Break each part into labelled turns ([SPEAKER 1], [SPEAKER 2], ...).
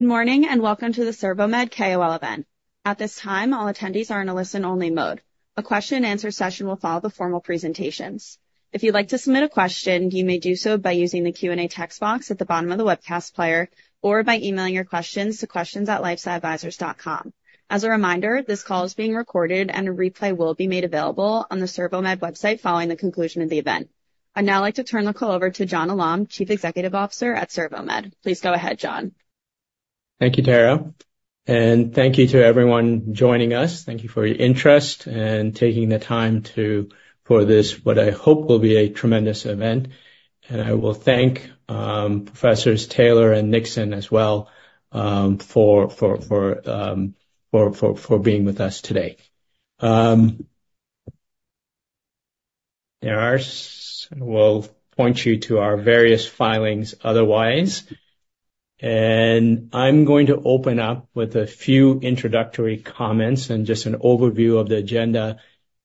[SPEAKER 1] Good morning, and welcome to the CervoMed KOL event. At this time, all attendees are in a listen-only mode. A question and answer session will follow the formal presentations. If you'd like to submit a question, you may do so by using the Q&A text box at the bottom of the webcast player or by emailing your questions to questions@lifesciadvisors.com. As a reminder, this call is being recorded, and a replay will be made available on the CervoMed website following the conclusion of the event. I'd now like to turn the call over to John Alam, Chief Executive Officer at CervoMed. Please go ahead, John.
[SPEAKER 2] Thank you, Tara, and thank you to everyone joining us. Thank you for your interest and taking the time for this, what I hope will be a tremendous event. I will thank Professors Taylor and Nixon as well for being with us today. We'll point you to our various filings otherwise, and I'm going to open up with a few introductory comments and just an overview of the agenda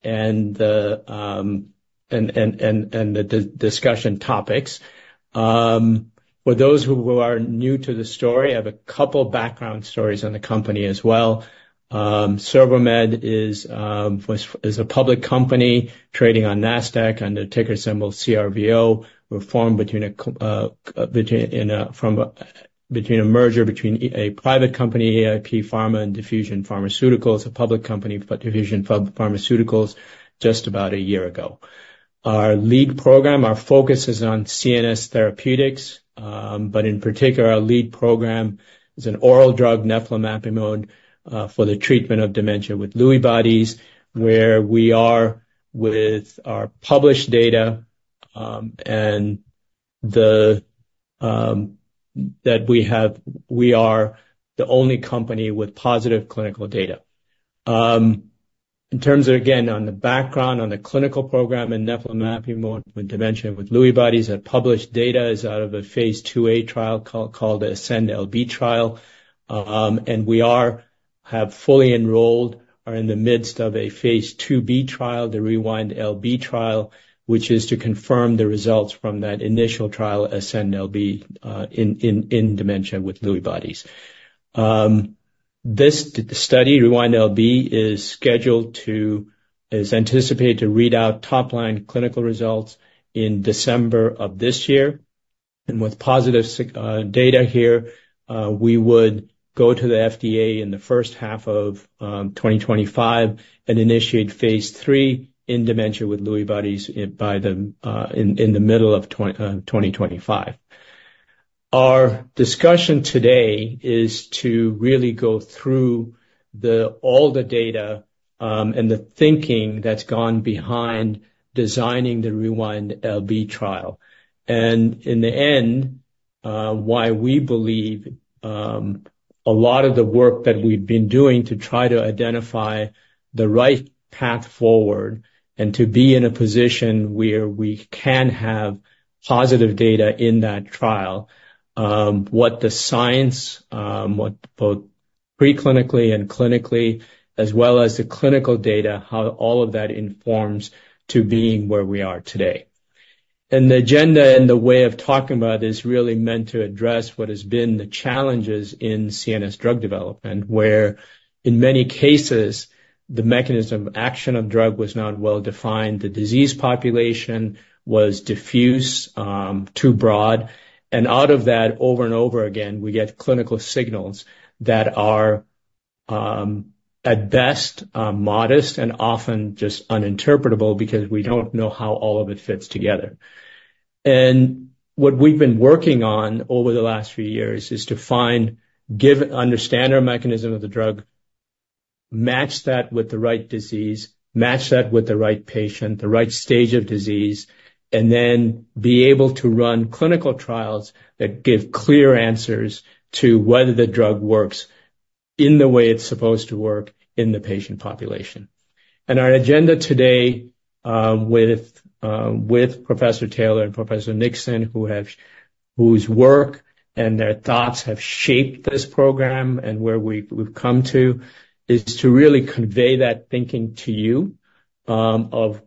[SPEAKER 2] and the discussion topics. For those who are new to the story, I have a couple background stories on the company as well. CervoMed is a public company trading on NASDAQ under the ticker symbol CRVO. We're formed from a merger between a private company, EIP Pharma, and Diffusion Pharmaceuticals, a public company, but Diffusion Pharmaceuticals just about a year ago. Our lead program, our focus is on CNS therapeutics, but in particular, our lead program is an oral drug, neflamapimod, for the treatment of dementia with Lewy bodies, where we are with our published data, and that we have—we are the only company with positive clinical data. In terms of, again, on the background, on the clinical program in neflamapimod with dementia with Lewy bodies, our published data is out of a phase II-A trial called the ASCEND-LB trial. We have fully enrolled, are in the midst of a phase II-B trial, the REWIND-LB trial, which is to confirm the results from that initial trial, ASCEND-LB, in dementia with Lewy bodies. This study, REWIND-LB, is anticipated to read out top-line clinical results in December of this year. With positive data here, we would go to the FDA in the first half of 2025 and initiate phase III in dementia with Lewy bodies by the middle of 2025. Our discussion today is to really go through all the data and the thinking that's gone behind designing the REWIND-LB trial. In the end, why we believe a lot of the work that we've been doing to try to identify the right path forward and to be in a position where we can have positive data in that trial, what the science, what both preclinically and clinically, as well as the clinical data, how all of that informs to being where we are today. The agenda and the way of talking about it is really meant to address what has been the challenges in CNS drug development, where in many cases, the mechanism of action of drug was not well defined, the disease population was diffuse, too broad. Out of that, over and over again, we get clinical signals that are, at best, modest and often just uninterpretable because we don't know how all of it fits together. What we've been working on over the last few years is to find, give, understand our mechanism of the drug, match that with the right disease, match that with the right patient, the right stage of disease, and then be able to run clinical trials that give clear answers to whether the drug works in the way it's supposed to work in the patient population. And our agenda today, with Professor Taylor and Professor Nixon, who have, whose work and their thoughts have shaped this program and where we've come to, is to really convey that thinking to you, of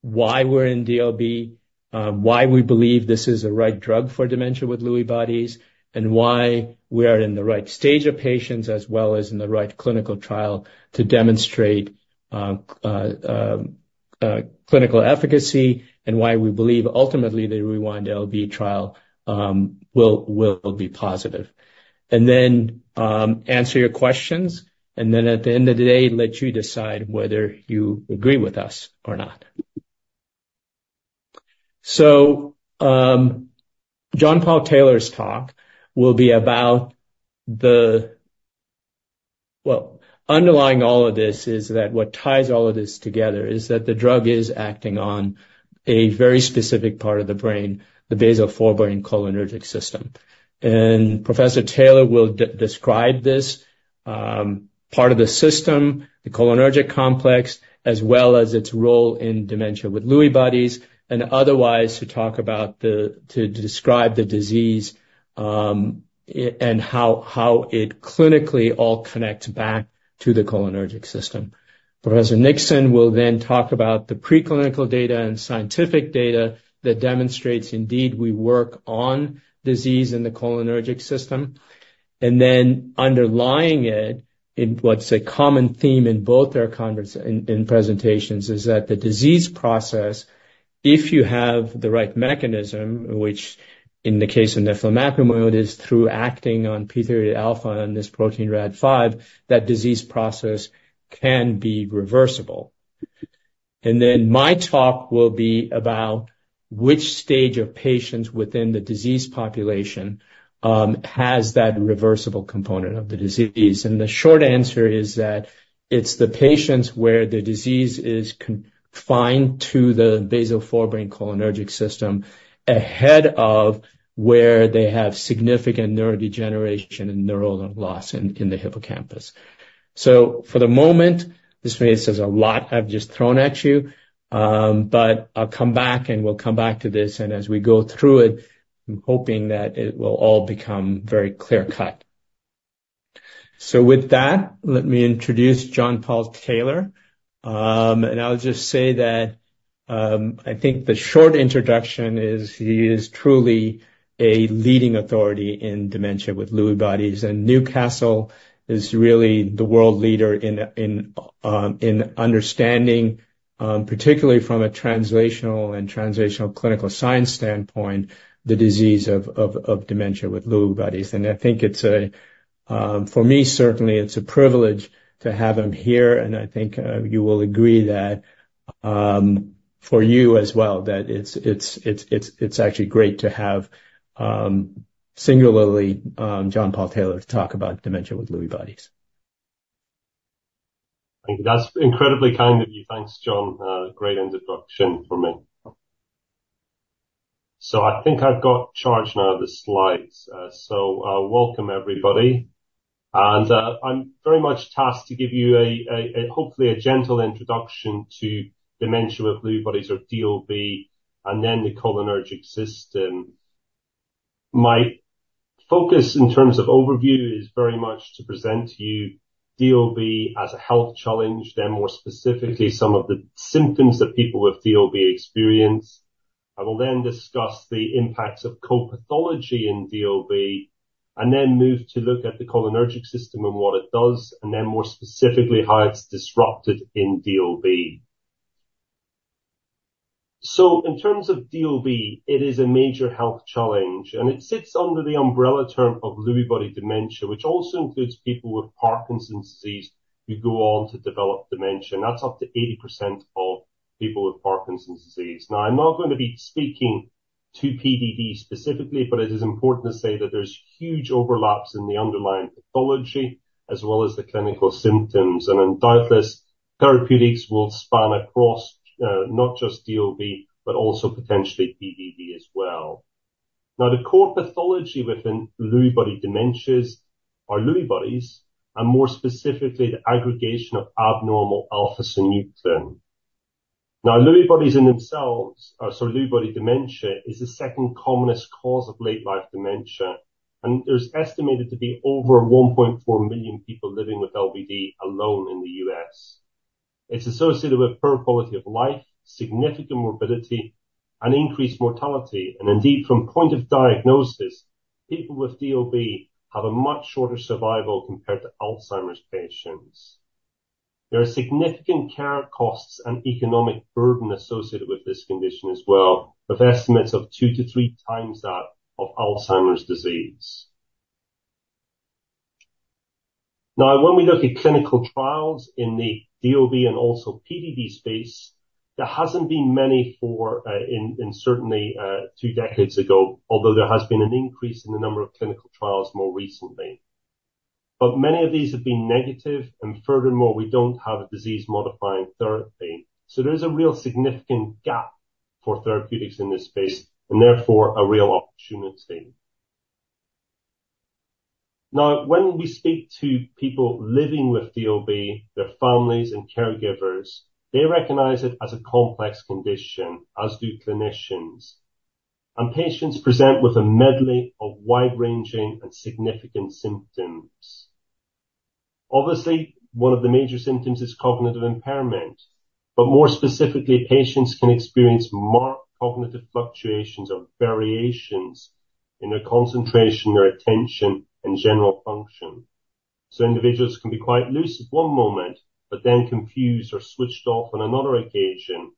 [SPEAKER 2] why we're in DLB, why we believe this is the right drug for dementia with Lewy bodies, and why we are in the right stage of patients, as well as in the right clinical trial to demonstrate, clinical efficacy, and why we believe, ultimately, the REWIND-LB trial, will be positive. And then, answer your questions, and then at the end of the day, let you decide whether you agree with us or not. So, John-Paul Taylor's talk will be about the... Well, underlying all of this is that what ties all of this together is that the drug is acting on a very specific part of the brain, the basal forebrain cholinergic system. And Professor Taylor will describe this part of the system, the cholinergic complex, as well as its role in dementia with Lewy bodies, and otherwise, to talk about the, to describe the disease, and how it clinically all connects back to the cholinergic system. Professor Nixon will then talk about the preclinical data and scientific data that demonstrates, indeed, we work on disease in the cholinergic system, and then underlying it-... In what's a common theme in both our conference and presentations, is that the disease process, if you have the right mechanism, which in the case of neflamapimod, is through acting on p38 alpha and this protein Rab5, that disease process can be reversible. And then my talk will be about which stage of patients within the disease population has that reversible component of the disease. And the short answer is that it's the patients where the disease is confined to the basal forebrain cholinergic system, ahead of where they have significant neurodegeneration and neuronal loss in the hippocampus. So for the moment, this means there's a lot I've just thrown at you, but I'll come back, and we'll come back to this, and as we go through it, I'm hoping that it will all become very clear-cut. So with that, let me introduce John-Paul Taylor. And I'll just say that, I think the short introduction is he is truly a leading authority in dementia with Lewy bodies, and Newcastle is really the world leader in understanding, particularly from a translational clinical science standpoint, the disease of dementia with Lewy bodies. And I think it's a privilege for me, certainly, to have him here, and I think you will agree that, for you as well, that it's actually great to have singularly John-Paul Taylor to talk about dementia with Lewy bodies.
[SPEAKER 3] Thank you. That's incredibly kind of you. Thanks, John. Great introduction for me. So I think I've got charged now the slides. So, welcome, everybody, and I'm very much tasked to give you a hopefully a gentle introduction to dementia with Lewy bodies or DLB, and then the cholinergic system. My focus, in terms of overview, is very much to present to you DLB as a health challenge, then more specifically, some of the symptoms that people with DLB experience. I will then discuss the impacts of core pathology in DLB and then move to look at the cholinergic system and what it does, and then more specifically, how it's disrupted in DLB. So in terms of DLB, it is a major health challenge, and it sits under the umbrella term of Lewy body dementia, which also includes people with Parkinson's disease who go on to develop dementia, and that's up to 80% of people with Parkinson's disease. Now, I'm not going to be speaking to PDD specifically, but it is important to say that there's huge overlaps in the underlying pathology as well as the clinical symptoms, and undoubtedly, therapeutics will span across, not just DLB, but also potentially PDD as well. Now, the core pathology within Lewy body dementias are Lewy bodies, and more specifically, the aggregation of abnormal alpha-synuclein. Now, Lewy bodies in themselves are. So Lewy body dementia is the second commonest cause of late-life dementia, and there's estimated to be over 1.4 million people living with LBD alone in the U.S. It's associated with poor quality of life, significant morbidity, and increased mortality, and indeed, from point of diagnosis, people with DLB have a much shorter survival compared to Alzheimer's patients. There are significant care costs and economic burden associated with this condition as well, with estimates of two to three times that of Alzheimer's disease. Now, when we look at clinical trials in the DLB and also PDD space, there hasn't been many for, in, and certainly, two decades ago, although there has been an increase in the number of clinical trials more recently. But many of these have been negative, and furthermore, we don't have a disease-modifying therapy. So there is a real significant gap for therapeutics in this space and therefore a real opportunity. Now, when we speak to people living with DLB, their families and caregivers, they recognize it as a complex condition, as do clinicians, and patients present with a medley of wide-ranging and significant symptoms. Obviously, one of the major symptoms is cognitive impairment, but more specifically, patients can experience more cognitive fluctuations or variations in their concentration, their attention, and general function. So individuals can be quite loose at one moment but then confused or switched off on another occasion.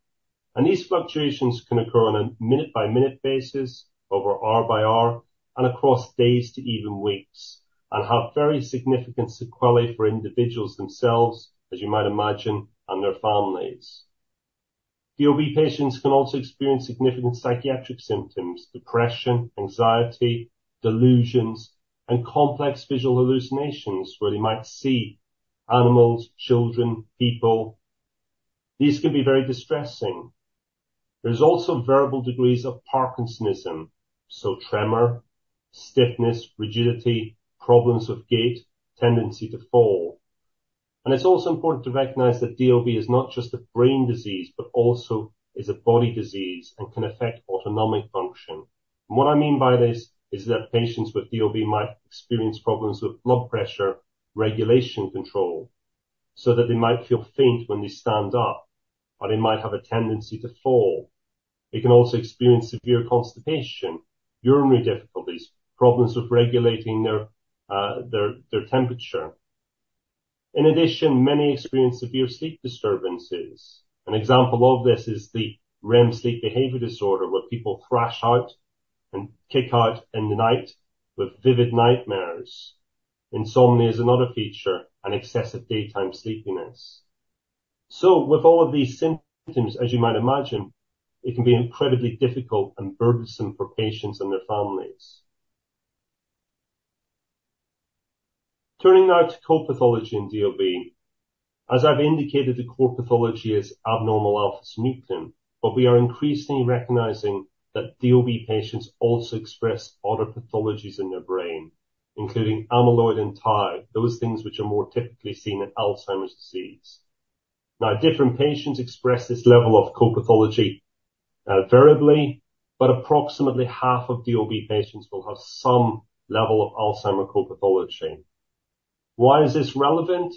[SPEAKER 3] And these fluctuations can occur on a minute-by-minute basis, over hour-by-hour, and across days to even weeks, and have very significant sequelae for individuals themselves, as you might imagine, and their families. DLB patients can also experience significant psychiatric symptoms, depression, anxiety, delusions, and complex visual hallucinations where they might see animals, children, people. These can be very distressing. There's also variable degrees of Parkinsonism, so tremor, stiffness, rigidity, problems of gait, tendency to fall. It's also important to recognize that DLB is not just a brain disease, but also is a body disease and can affect autonomic function. What I mean by this is that patients with DLB might experience problems with blood pressure regulation control, so that they might feel faint when they stand up, or they might have a tendency to fall. They can also experience severe constipation, urinary difficulties, problems with regulating their temperature. In addition, many experience severe sleep disturbances. An example of this is the REM sleep behavior disorder, where people thrash out and kick out in the night with vivid nightmares. Insomnia is another feature, and excessive daytime sleepiness. So with all of these symptoms, as you might imagine, it can be incredibly difficult and burdensome for patients and their families. Turning now to core pathology in DLB. As I've indicated, the core pathology is abnormal alpha-synuclein, but we are increasingly recognizing that DLB patients also express other pathologies in their brain, including amyloid and tau, those things which are more typically seen in Alzheimer's disease. Now, different patients express this level of core pathology, variably, but approximately half of DLB patients will have some level of Alzheimer's core pathology. Why is this relevant?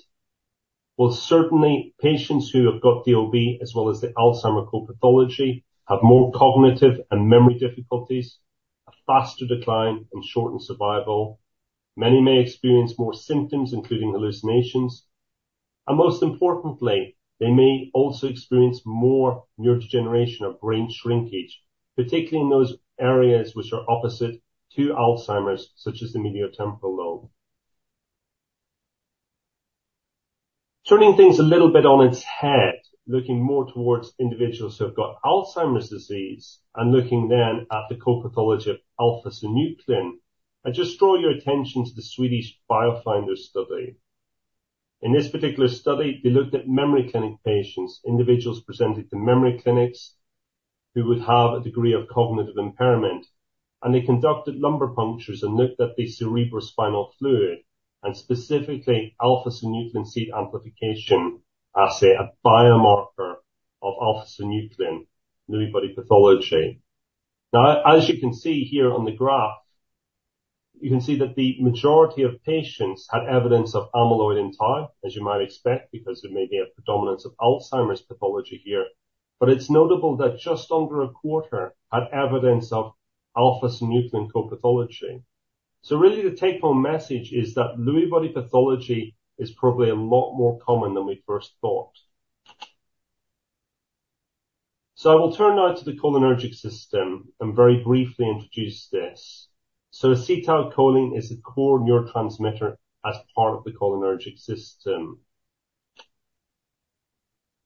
[SPEAKER 3] Well, certainly, patients who have got DLB as well as the Alzheimer's core pathology, have more cognitive and memory difficulties, a faster decline and shortened survival. Many may experience more symptoms, including hallucinations, and most importantly, they may also experience more neurodegeneration or brain shrinkage, particularly in those areas which are opposite to Alzheimer’s, such as the medial temporal lobe. Turning things a little bit on its head, looking more towards individuals who have got Alzheimer’s disease and looking then at the core pathology of alpha-synuclein. I just draw your attention to the Swedish BioFINDER study. In this particular study, they looked at memory clinic patients, individuals presented to memory clinics, who would have a degree of cognitive impairment, and they conducted lumbar punctures and looked at the cerebrospinal fluid and specifically alpha-synuclein seed amplification, as a biomarker of alpha-synuclein Lewy body pathology. Now, as you can see here on the graph, you can see that the majority of patients had evidence of amyloid and tau, as you might expect, because there may be a predominance of Alzheimer's pathology here, but it's notable that just under a quarter had evidence of alpha-synuclein core pathology. So really, the take-home message is that Lewy body pathology is probably a lot more common than we first thought. So I will turn now to the cholinergic system and very briefly introduce this. So acetylcholine is a core neurotransmitter as part of the cholinergic system.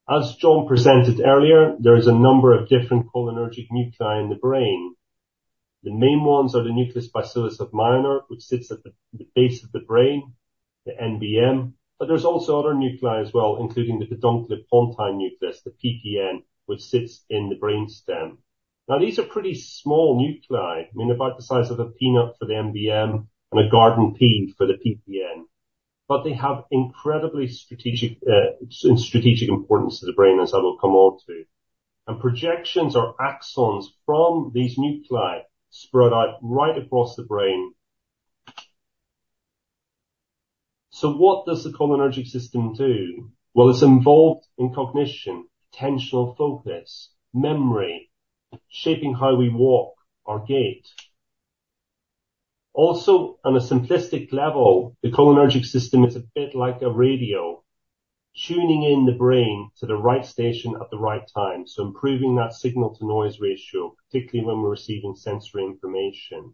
[SPEAKER 3] As John presented earlier, there is a number of different cholinergic nuclei in the brain. The main ones are the Nucleus Basalis of Meynert, which sits at the base of the brain, the NBM, but there's also other nuclei as well, including the pedunculopontine nucleus, the PPN, which sits in the brain stem. Now, these are pretty small nuclei, I mean, about the size of a peanut for the NBM and a garden pea for the PPN, but they have incredibly strategic importance to the brain, as I will come on to. Projections or axons from these nuclei spread out right across the brain. So what does the cholinergic system do? Well, it's involved in cognition, attentional focus, memory, shaping how we walk or gait. Also, on a simplistic level, the cholinergic system is a bit like a radio, tuning in the brain to the right station at the right time. So improving that signal-to-noise ratio, particularly when we're receiving sensory information.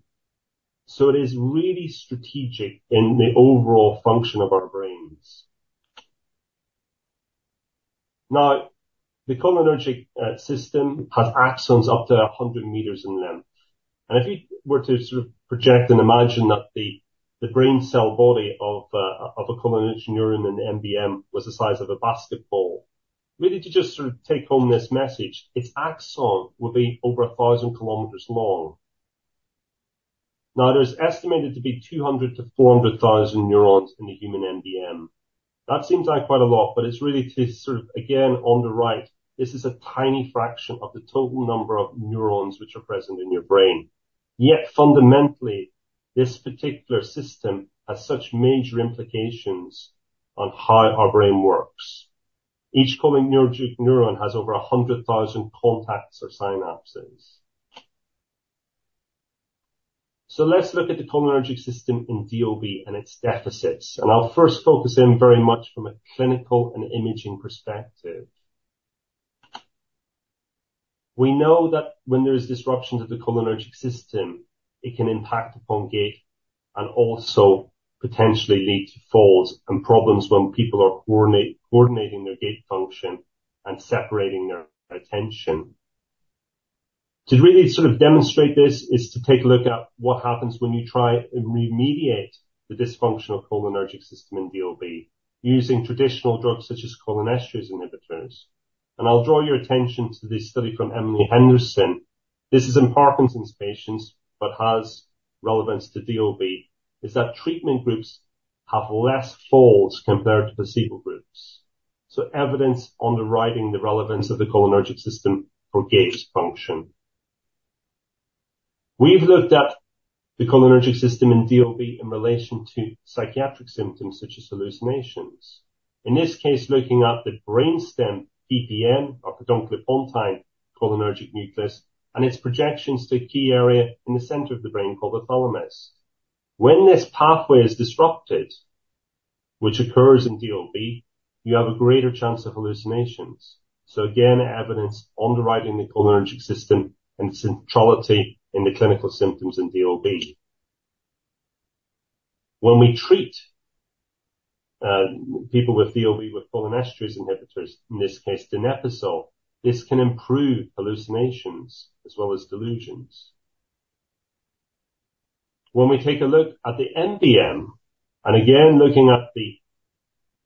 [SPEAKER 3] So it is really strategic in the overall function of our brains. Now, the cholinergic system has axons up to 100 meters in length. And if you were to sort of project and imagine that the brain cell body of a cholinergic neuron in the NBM was the size of a basketball, really to just sort of take home this message, its axon would be over 1,000 km long. Now, there's estimated to be 200-400,000 neurons in the human NBM. That seems like quite a lot, but it's really to sort of, again, on the right, this is a tiny fraction of the total number of neurons which are present in your brain. Yet fundamentally, this particular system has such major implications on how our brain works. Each cholinergic neuron has over 100,000 contacts or synapses. So let's look at the cholinergic system in DLB and its deficits, and I'll first focus in very much from a clinical and imaging perspective. We know that when there's disruption to the cholinergic system, it can impact upon gait and also potentially lead to falls and problems when people are coordinating their gait function and separating their attention. To really sort of demonstrate this, is to take a look at what happens when you try and remediate the dysfunctional cholinergic system in DLB using traditional drugs such as cholinesterase inhibitors. And I'll draw your attention to this study from Emily Henderson. This is in Parkinson's patients, but has relevance to DLB, is that treatment groups have less falls compared to placebo groups. So evidence underwriting the relevance of the cholinergic system for gait function.... We've looked at the cholinergic system in DLB in relation to psychiatric symptoms such as hallucinations. In this case, looking at the brainstem PPN or Pedunculopontine cholinergic nucleus, and its projections to a key area in the center of the brain called the thalamus. When this pathway is disrupted, which occurs in DLB, you have a greater chance of hallucinations. So again, evidence underwriting the cholinergic system and centrality in the clinical symptoms in DLB. When we treat people with DLB with cholinesterase inhibitors, in this case, donepezil, this can improve hallucinations as well as delusions. When we take a look at the NBM, and again, looking at the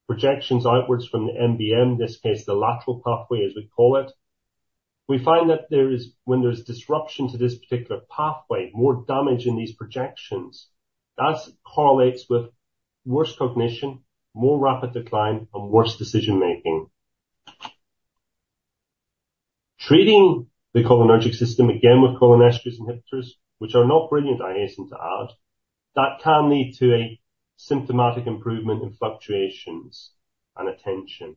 [SPEAKER 3] projections outwards from the NBM, in this case, the lateral pathway, as we call it, we find that there is when there's disruption to this particular pathway, more damage in these projections, that correlates with worse cognition, more rapid decline, and worse decision making. Treating the cholinergic system, again, with cholinesterase inhibitors, which are not brilliant, I hasten to add, that can lead to a symptomatic improvement in fluctuations and attention.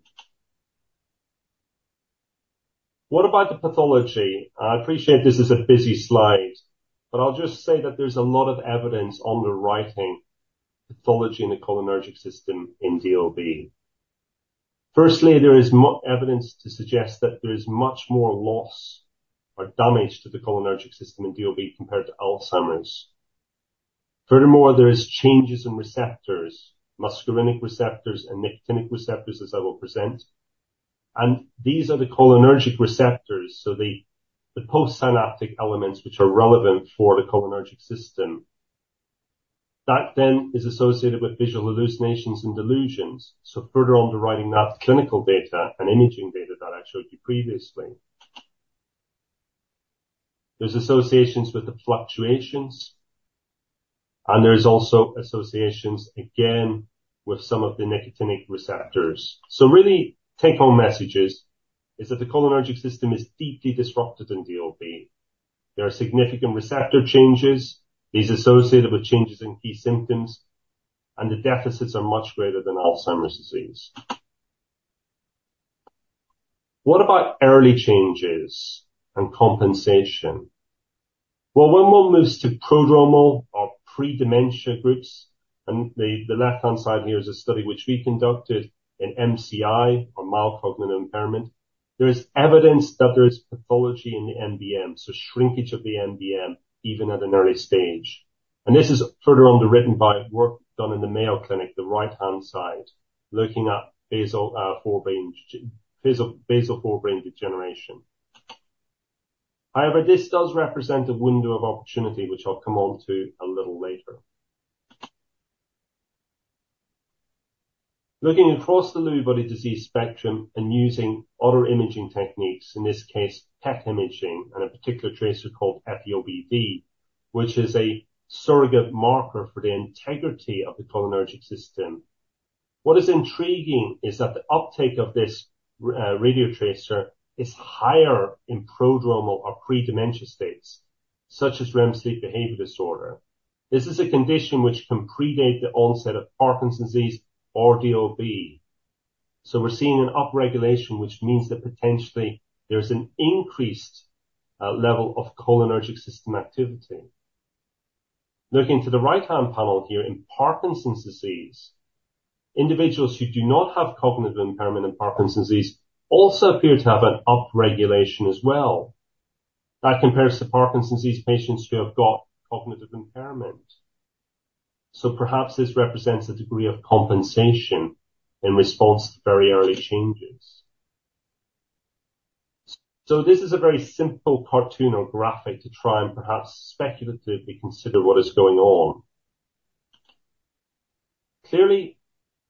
[SPEAKER 3] What about the pathology? I appreciate this is a busy slide, but I'll just say that there's a lot of evidence underpinning pathology in the cholinergic system in DLB. Firstly, there is more evidence to suggest that there is much more loss or damage to the cholinergic system in DLB compared to Alzheimer's. Furthermore, there are changes in receptors, muscarinic receptors, and nicotinic receptors, as I will present, and these are the cholinergic receptors, so the postsynaptic elements which are relevant for the cholinergic system. That then is associated with visual hallucinations and delusions. So further underwriting that clinical data and imaging data that I showed you previously. There's associations with the fluctuations, and there's also associations, again, with some of the nicotinic receptors. So really take-home messages is that the cholinergic system is deeply disrupted in DLB. There are significant receptor changes. These associated with changes in key symptoms, and the deficits are much greater than Alzheimer's disease. What about early changes and compensation? Well, when one moves to prodromal or pre-dementia groups, and the left-hand side here is a study which we conducted in MCI or mild cognitive impairment, there is evidence that there is pathology in the NBM, so shrinkage of the NBM, even at an early stage. And this is further underwritten by work done in the Mayo Clinic, the right-hand side, looking at basal forebrain degeneration. However, this does represent a window of opportunity, which I'll come on to a little later. Looking across the Lewy body disease spectrum and using other imaging techniques, in this case, PET imaging and a particular tracer called FEOBV, which is a surrogate marker for the integrity of the cholinergic system. What is intriguing is that the uptake of this radiotracer is higher in prodromal or pre-dementia states, such as REM sleep behavior disorder. This is a condition which can predate the onset of Parkinson's disease or DLB. So we're seeing an upregulation, which means that potentially there's an increased level of cholinergic system activity. Looking to the right-hand panel here in Parkinson's disease, individuals who do not have cognitive impairment in Parkinson's disease also appear to have an upregulation as well. That compares to Parkinson's disease patients who have got cognitive impairment. So perhaps this represents a degree of compensation in response to very early changes. So this is a very simple cartoon or graphic to try and perhaps speculatively consider what is going on. Clearly,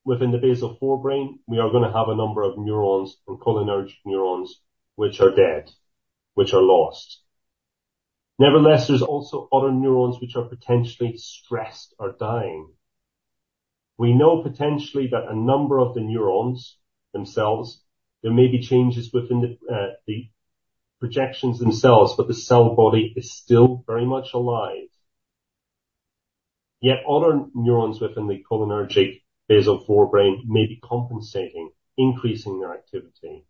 [SPEAKER 3] within the basal forebrain, we are going to have a number of neurons and cholinergic neurons which are dead, which are lost. Nevertheless, there's also other neurons which are potentially stressed or dying. We know potentially that a number of the neurons themselves, there may be changes within the, the projections themselves, but the cell body is still very much alive. Yet other neurons within the cholinergic basal forebrain may be compensating, increasing their activity.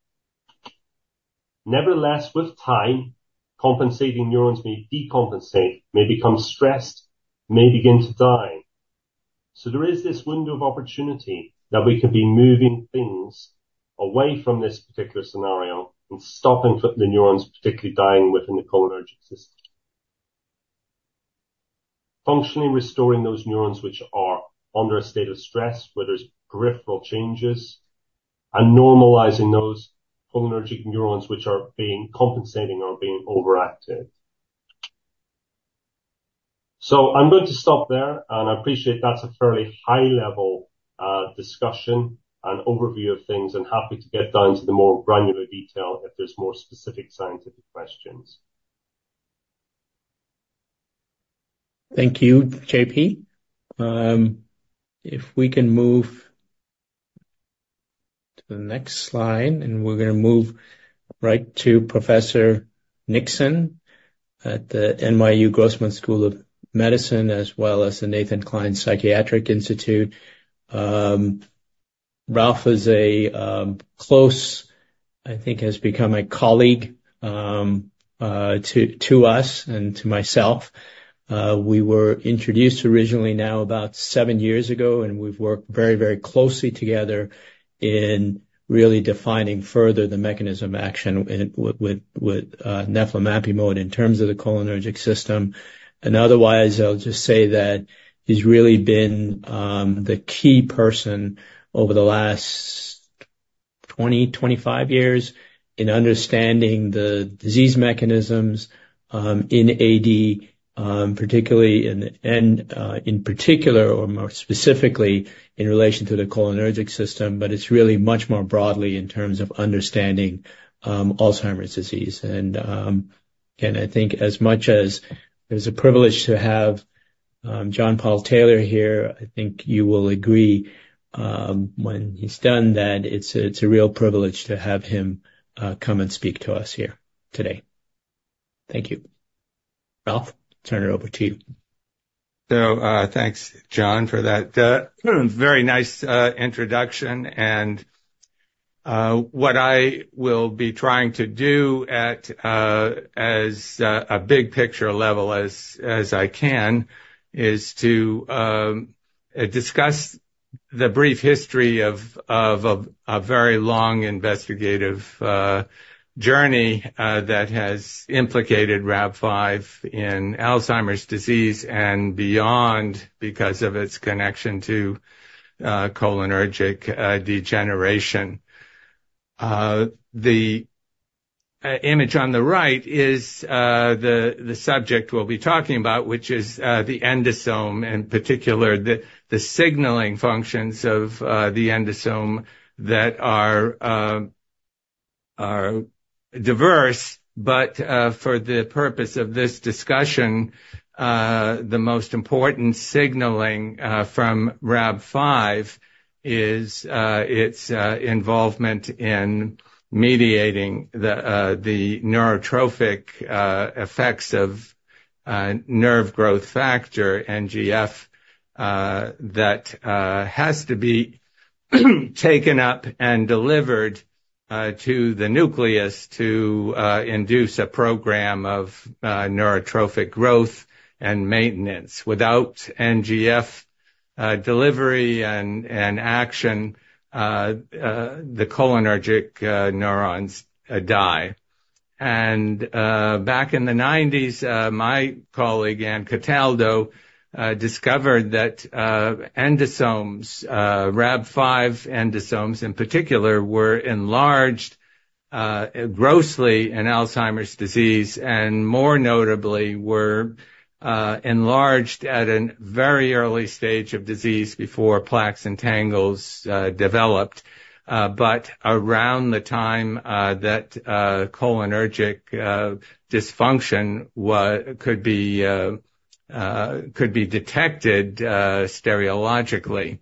[SPEAKER 3] Nevertheless, with time, compensating neurons may decompensate, may become stressed, may begin to die. So there is this window of opportunity that we could be moving things away from this particular scenario and stopping the neurons, particularly dying within the cholinergic system. Functionally restoring those neurons which are under a state of stress, where there's peripheral changes, and normalizing those cholinergic neurons which are being compensating or being overactive. So I'm going to stop there, and I appreciate that's a fairly high-level discussion and overview of things, and happy to get down to the more granular detail if there's more specific scientific questions.
[SPEAKER 2] Thank you, JP. If we can move to the next slide, and we're gonna move right to Professor Nixon at the NYU Grossman School of Medicine, as well as the Nathan Kline Institute for Psychiatric Research. Ralph is a close, I think, has become a colleague to us and to myself. We were introduced originally now about 7 years ago, and we've worked very, very closely together in really defining further the mechanism action with neflamapimod in terms of the cholinergic system. And otherwise, I'll just say that he's really been the key person over the last 20, 25 years in understanding the disease mechanisms in AD, particularly and in particular or more specifically, in relation to the cholinergic system. But it's really much more broadly in terms of understanding Alzheimer's disease. And I think as much as it's a privilege to have John-Paul Taylor here, I think you will agree when he's done that it's a real privilege to have him come and speak to us here today. Thank you. Ralph, turn it over to you.
[SPEAKER 4] So, thanks, John, for that very nice introduction. What I will be trying to do, as big a picture level as I can, is to discuss the brief history of a very long investigative journey that has implicated Rab5 in Alzheimer’s disease and beyond, because of its connection to cholinergic degeneration. The image on the right is the subject we’ll be talking about, which is the endosome, in particular, the signaling functions of the endosome that are diverse. But, for the purpose of this discussion, the most important signaling from Rab5 is its involvement in mediating the neurotrophic effects of nerve growth factor, NGF, that has to be taken up and delivered to the nucleus to induce a program of neurotrophic growth and maintenance. Without NGF delivery and action, the cholinergic neurons die. And, back in the 1990s, my colleague, Anne Cataldo, discovered that endosomes, Rab5 endosomes in particular, were enlarged grossly in Alzheimer's disease, and more notably, were enlarged at a very early stage of disease before plaques and tangles developed. But around the time that cholinergic dysfunction could be detected stereologically.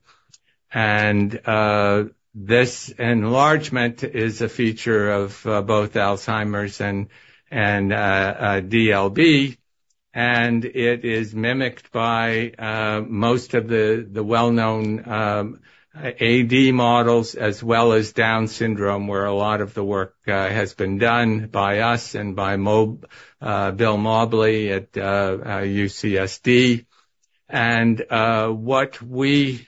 [SPEAKER 4] This enlargement is a feature of both Alzheimer's and DLB, and it is mimicked by most of the well-known AD models, as well as Down syndrome, where a lot of the work has been done by us and by Bill Mobley at UCSD. What we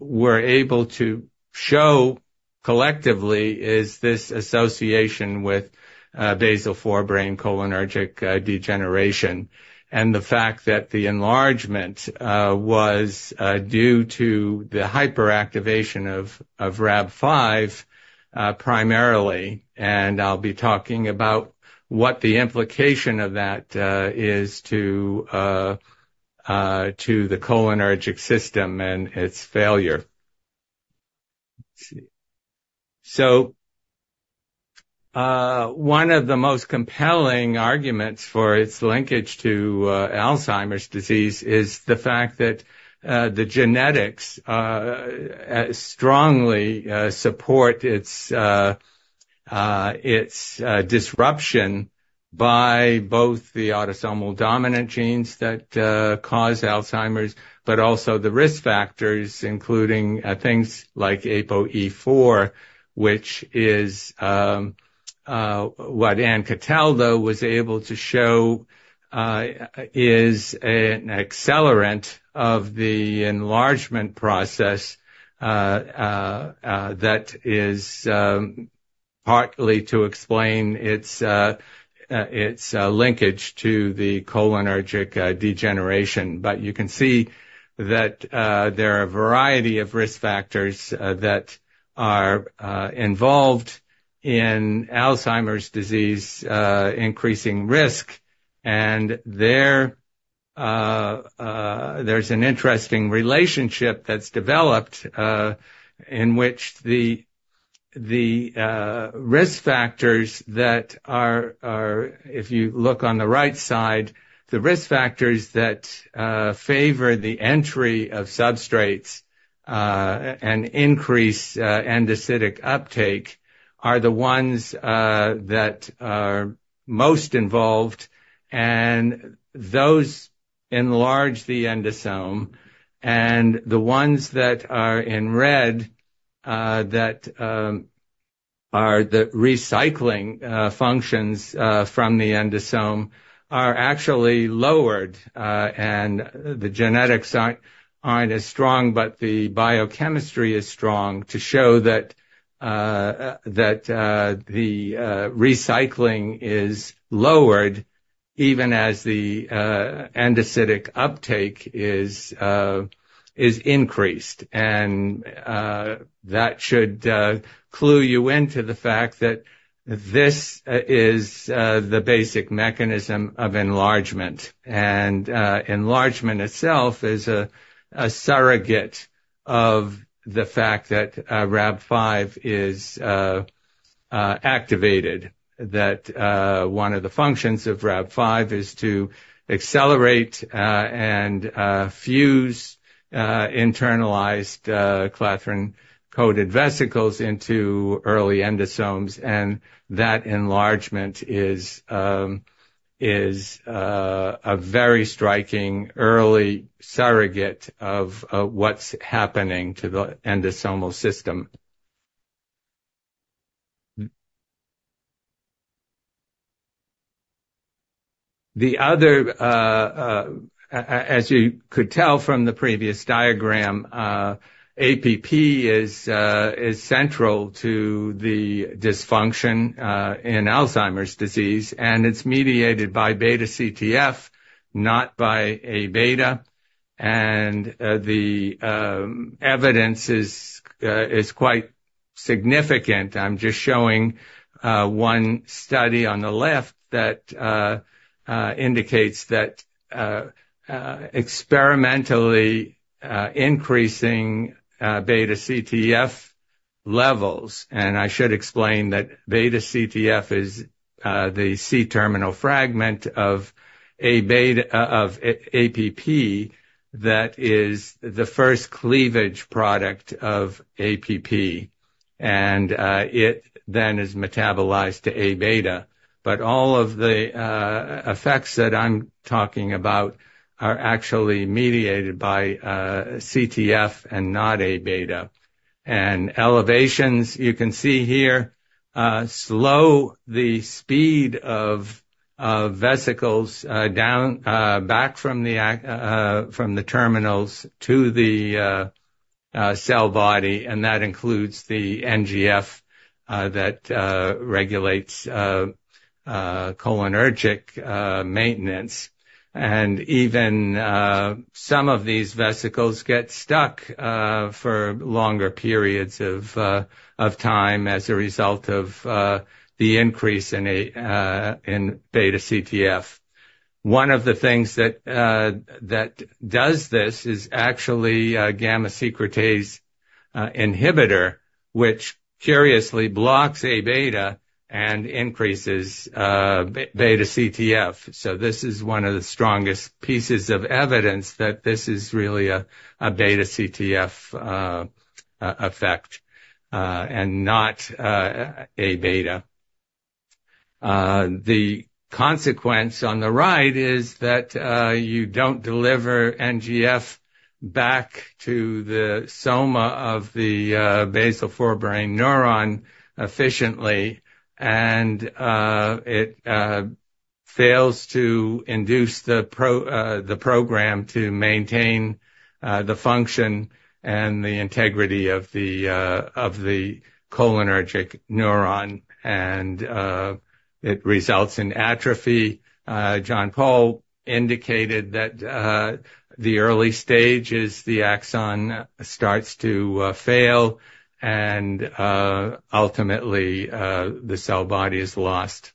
[SPEAKER 4] were able to show collectively is this association with basal forebrain cholinergic degeneration, and the fact that the enlargement was due to the hyperactivation of Rab5 primarily, and I'll be talking about what the implication of that is to the cholinergic system and its failure. Let's see. So, one of the most compelling arguments for its linkage to Alzheimer's disease is the fact that the genetics strongly support its disruption by both the autosomal dominant genes that cause Alzheimer's, but also the risk factors, including things like APOE4, which is what Anne Cataldo was able to show is an accelerant of the enlargement process that is partly to explain its linkage to the cholinergic degeneration. But you can see that there are a variety of risk factors that are involved in Alzheimer's disease increasing risk. There's an interesting relationship that's developed, in which the risk factors that, if you look on the right side, the risk factors that favor the entry of substrates and increase endocytic uptake are the ones that are most involved, and those enlarge the endosome. And the ones that are in red that are the recycling functions from the endosome are actually lowered, and the genetics aren't as strong, but the biochemistry is strong, to show that the recycling is lowered even as the endocytic uptake is increased. And that should clue you into the fact that this is the basic mechanism of enlargement. Enlargement itself is a surrogate of the fact that Rab5 is activated. That one of the functions of Rab5 is to accelerate and fuse internalized clathrin-coated vesicles into early endosomes, and that enlargement is a very striking early surrogate of what's happening to the endosomal system. The other, as you could tell from the previous diagram, APP is central to the dysfunction in Alzheimer's disease, and it's mediated by Beta-CTF, not by A beta. The evidence is quite significant. I'm just showing one study on the left that indicates that experimentally increasing Beta-CTF levels... I should explain that Beta-CTF is the C-terminal fragment of A-Beta of APP, that is the first cleavage product of APP, and it then is metabolized to A-Beta. But all of the effects that I'm talking about are actually mediated by CTF and not A-Beta. And elevations, you can see here, slow the speed of vesicles down back from the terminals to the cell body, and that includes the NGF that regulates cholinergic maintenance. And even some of these vesicles get stuck for longer periods of time as a result of the increase in Beta-CTF. One of the things that does this is actually a gamma-secretase inhibitor, which curiously blocks A-Beta and increases Beta-CTF. So this is one of the strongest pieces of evidence that this is really a Beta-CTF effect, and not A-Beta. The consequence on the right is that you don't deliver NGF back to the soma of the basal forebrain neuron efficiently, and it fails to induce the program to maintain the function and the integrity of the cholinergic neuron, and it results in atrophy. John-Paul indicated that the early stage is the axon starts to fail, and ultimately the cell body is lost.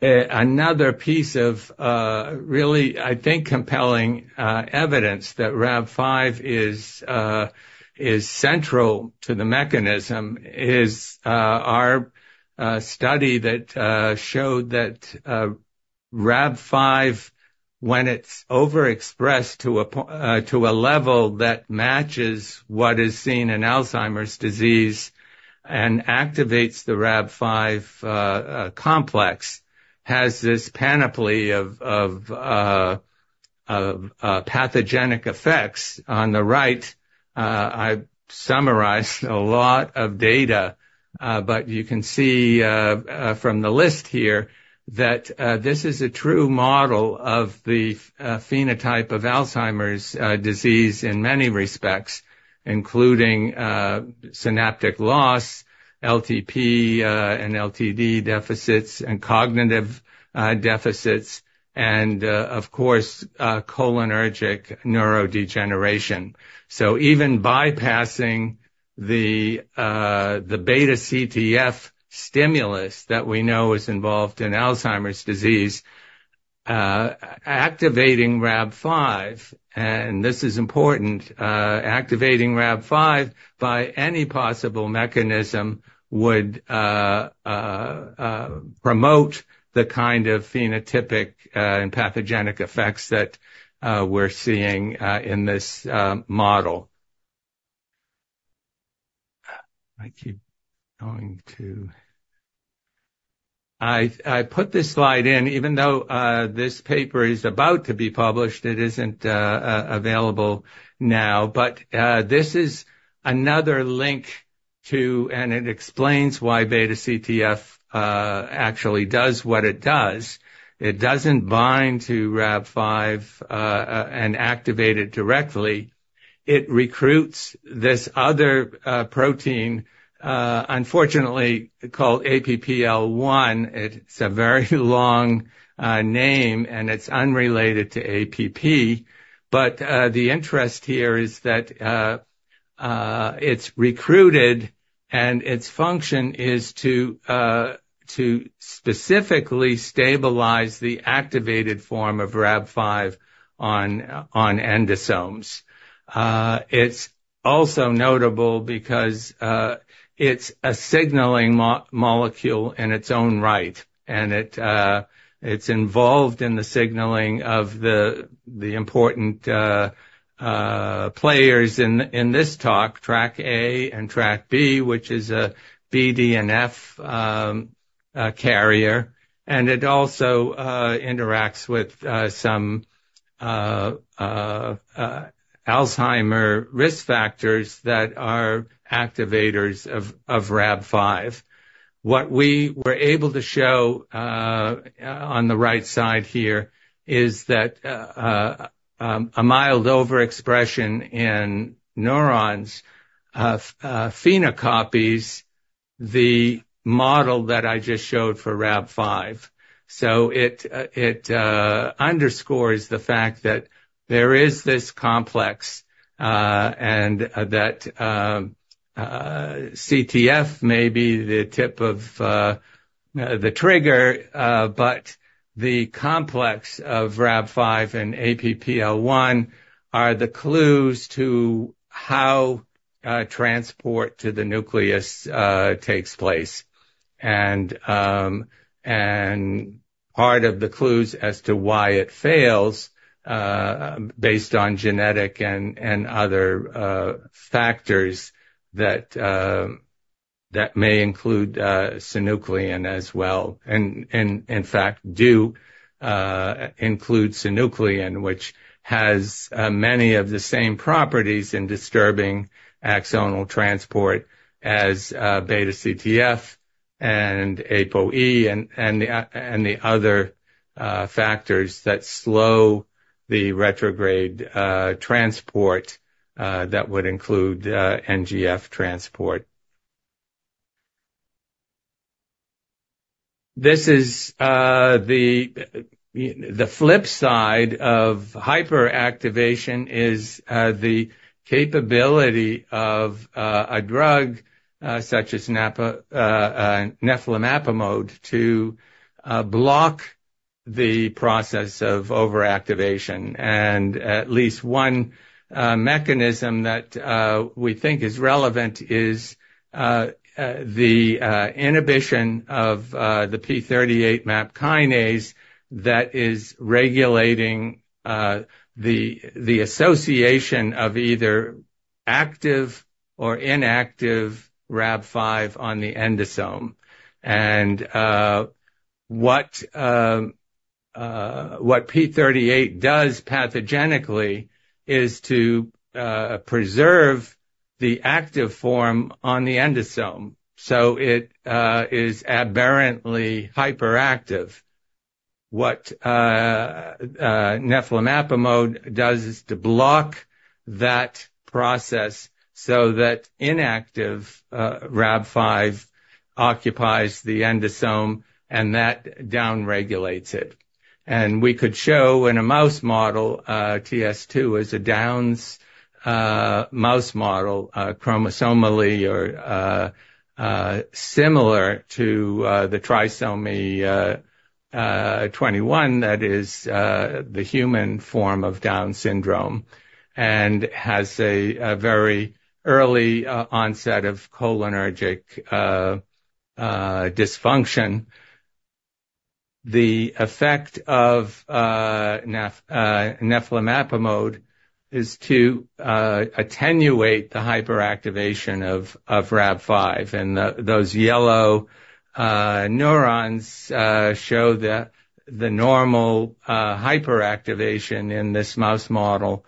[SPEAKER 4] Another piece of really, I think, compelling evidence that Rab5 is central to the mechanism is our study that showed that Rab5, when it's overexpressed to a level that matches what is seen in Alzheimer's disease and activates the Rab5 complex, has this panoply of pathogenic effects. On the right, I've summarized a lot of data, but you can see from the list here, that this is a true model of the phenotype of Alzheimer's disease in many respects, including synaptic loss, LTP, and LTD deficits, and cognitive deficits, and, of course, cholinergic neurodegeneration. So even bypassing the Beta-CTF stimulus that we know is involved in Alzheimer's disease... activating Rab5, and this is important, activating Rab5 by any possible mechanism would promote the kind of phenotypic and pathogenic effects that we're seeing in this model. I keep going to... I put this slide in, even though this paper is about to be published, it isn't available now. But this is another link to... and it explains why Beta-CTF actually does what it does. It doesn't bind to Rab5 and activate it directly. It recruits this other protein, unfortunately, called APPL1. It's a very long name, and it's unrelated to APP. But the interest here is that it's recruited, and its function is to specifically stabilize the activated form of Rab5 on endosomes. It's also notable because it's a signaling molecule in its own right, and it's involved in the signaling of the important players in this talk, TrkA and TrkB, which is a BDNF carrier. It also interacts with some Alzheimer's risk factors that are activators of Rab5. What we were able to show on the right side here is that a mild overexpression in neurons phenocopies the model that I just showed for Rab5. So it underscores the fact that there is this complex and that CTF may be the tip of the trigger, but the complex of Rab5 and APPL1 are the clues to how transport to the nucleus takes place. And part of the clues as to why it fails, based on genetic and other factors that may include synuclein as well, and in fact do include synuclein, which has many of the same properties in disturbing axonal transport as Beta-CTF and APOE and the other factors that slow the retrograde transport that would include NGF transport. This is the flip side of hyperactivation is the capability of a drug such as neflamapimod to block the process of overactivation. And at least one mechanism that we think is relevant is the inhibition of the p38 MAP kinase that is regulating the association of either active or inactive Rab5 on the endosome. And what p38 does pathogenically is to preserve the active form on the endosome, so it is aberrantly hyperactive. What neflamapimod does is to block that process so that inactive Rab5 occupies the endosome, and that down regulates it. And we could show in a mouse model, Ts2 is a Down's mouse model, chromosomally or similar to the trisomy 21, that is the human form of Down syndrome, and has a very early onset of cholinergic dysfunction. The effect of neflamapimod is to attenuate the hyperactivation of Rab5. And those yellow neurons show the normal hyperactivation in this mouse model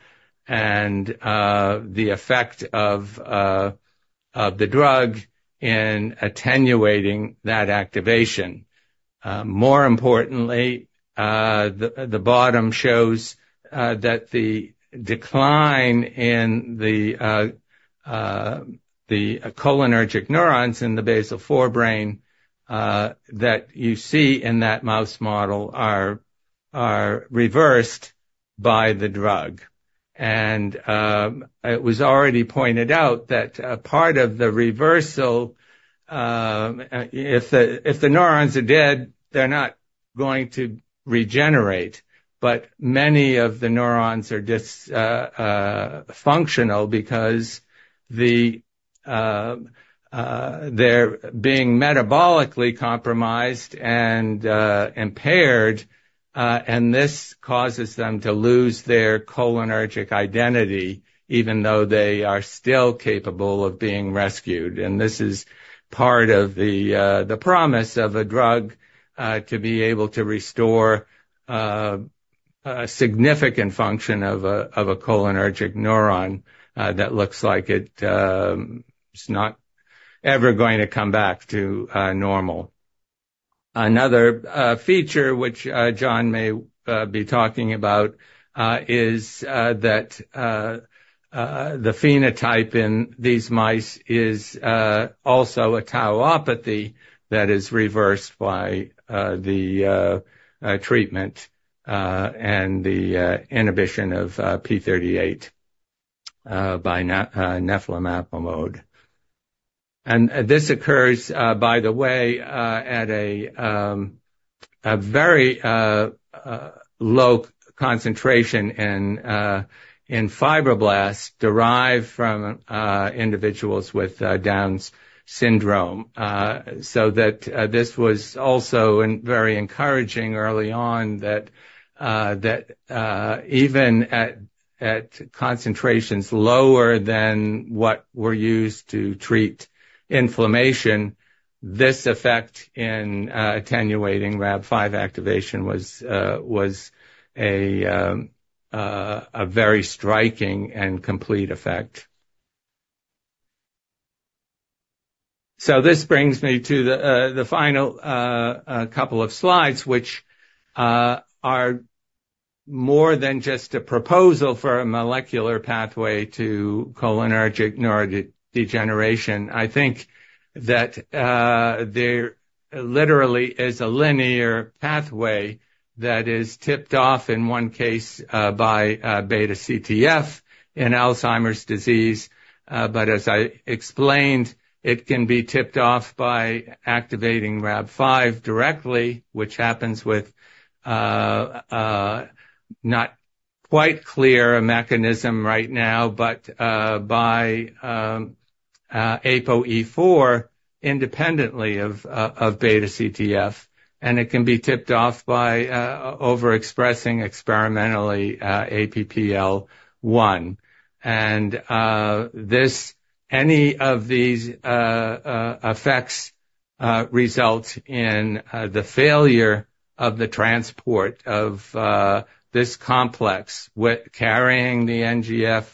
[SPEAKER 4] and the effect of the drug in attenuating that activation. More importantly, the bottom shows that the decline in the cholinergic neurons in the basal forebrain that you see in that mouse model are reversed by the drug. And it was already pointed out that part of the reversal, if the neurons are dead, they're not going to regenerate, but many of the neurons are dysfunctional because they're being metabolically compromised and impaired, and this causes them to lose their cholinergic identity, even though they are still capable of being rescued. And this is part of the promise of a drug to be able to restore a significant function of a cholinergic neuron that looks like it is not ever going to come back to normal. Another feature, which John may be talking about, is that the phenotype in these mice is also a tauopathy that is reversed by the treatment and the inhibition of p38 by neflamapimod. This occurs, by the way, at a very low concentration in fibroblasts derived from individuals with Down syndrome. So that this was also very encouraging early on, that even at concentrations lower than what were used to treat inflammation, this effect in attenuating Rab5 activation was a very striking and complete effect. So this brings me to the final couple of slides, which are more than just a proposal for a molecular pathway to cholinergic neurodegeneration. I think that there literally is a linear pathway that is tipped off, in one case, by Beta-CTF in Alzheimer's disease. But as I explained, it can be tipped off by activating Rab5 directly, which happens with a not quite clear mechanism right now, but by APOE4, independently of Beta-CTF, and it can be tipped off by overexpressing experimentally APPL1. And any of these effects result in the failure of the transport of this complex with carrying the NGF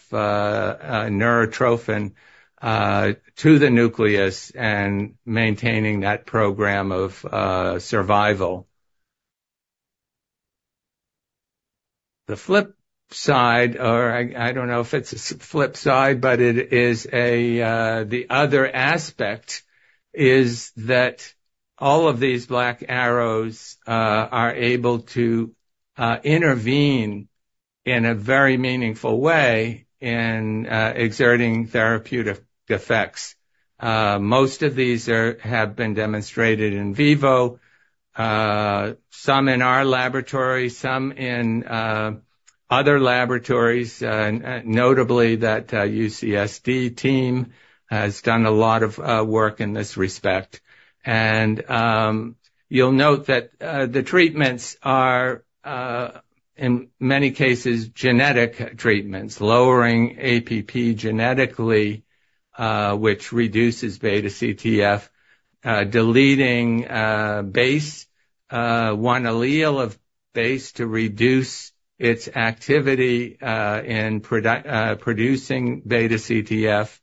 [SPEAKER 4] neurotrophin to the nucleus and maintaining that program of survival. The flip side, or I, I don't know if it's a flip side, but it is a, the other aspect, is that all of these black arrows are able to intervene in a very meaningful way in exerting therapeutic effects. Most of these are, have been demonstrated in vivo, some in our laboratory, some in other laboratories, and notably, that UCSD team has done a lot of work in this respect. And, you'll note that the treatments are in many cases, genetic treatments, lowering APP genetically, which reduces Beta-CTF, deleting BACE, one allele of BACE to reduce its activity in produc- producing Beta-CTF.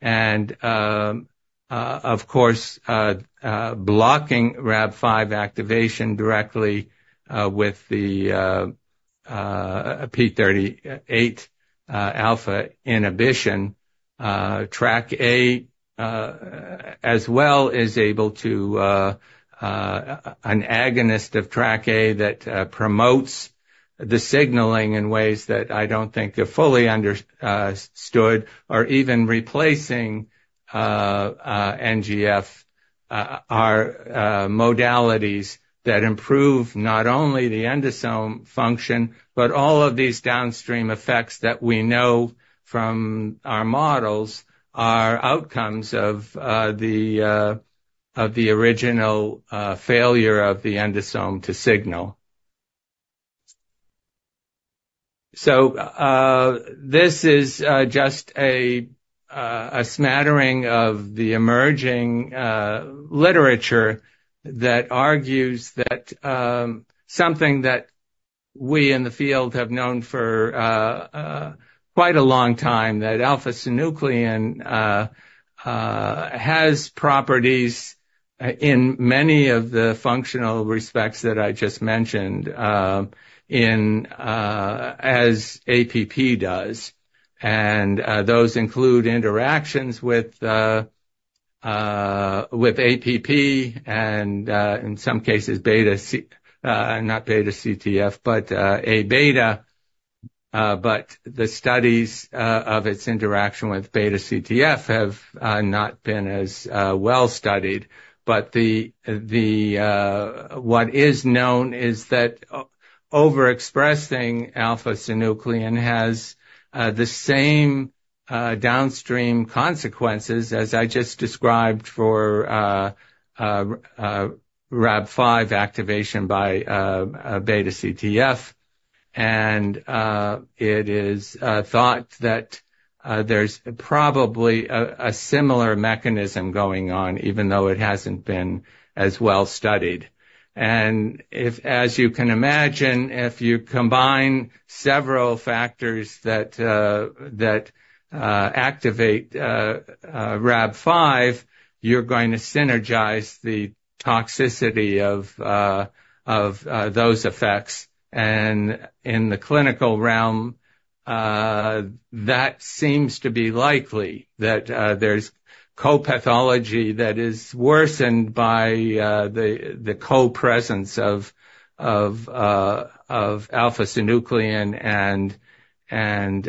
[SPEAKER 4] And, of course, blocking Rab5 activation directly with the p38 alpha inhibition. TrkA as well is able to an agonist of TrkA that promotes the signaling in ways that I don't think are fully understood or even replacing NGF are modalities that improve not only the endosome function, but all of these downstream effects that we know from our models are outcomes of the original failure of the endosome to signal. So this is just a smattering of the emerging literature that argues that something that we in the field have known for quite a long time, that alpha-synuclein has properties in many of the functional respects that I just mentioned in as APP does. And those include interactions with... with APP and, in some cases, beta C, not Beta-CTF, but A-Beta. But the studies of its interaction with Beta-CTF have not been as well studied. But what is known is that overexpressing alpha-synuclein has the same downstream consequences as I just described for Rab5 activation by Beta-CTF. And it is thought that there's probably a similar mechanism going on, even though it hasn't been as well studied. And if, as you can imagine, if you combine several factors that activate Rab5, you're going to synergize the toxicity of those effects. In the clinical realm, that seems to be likely that there's co-pathology that is worsened by the co-presence of alpha-synuclein and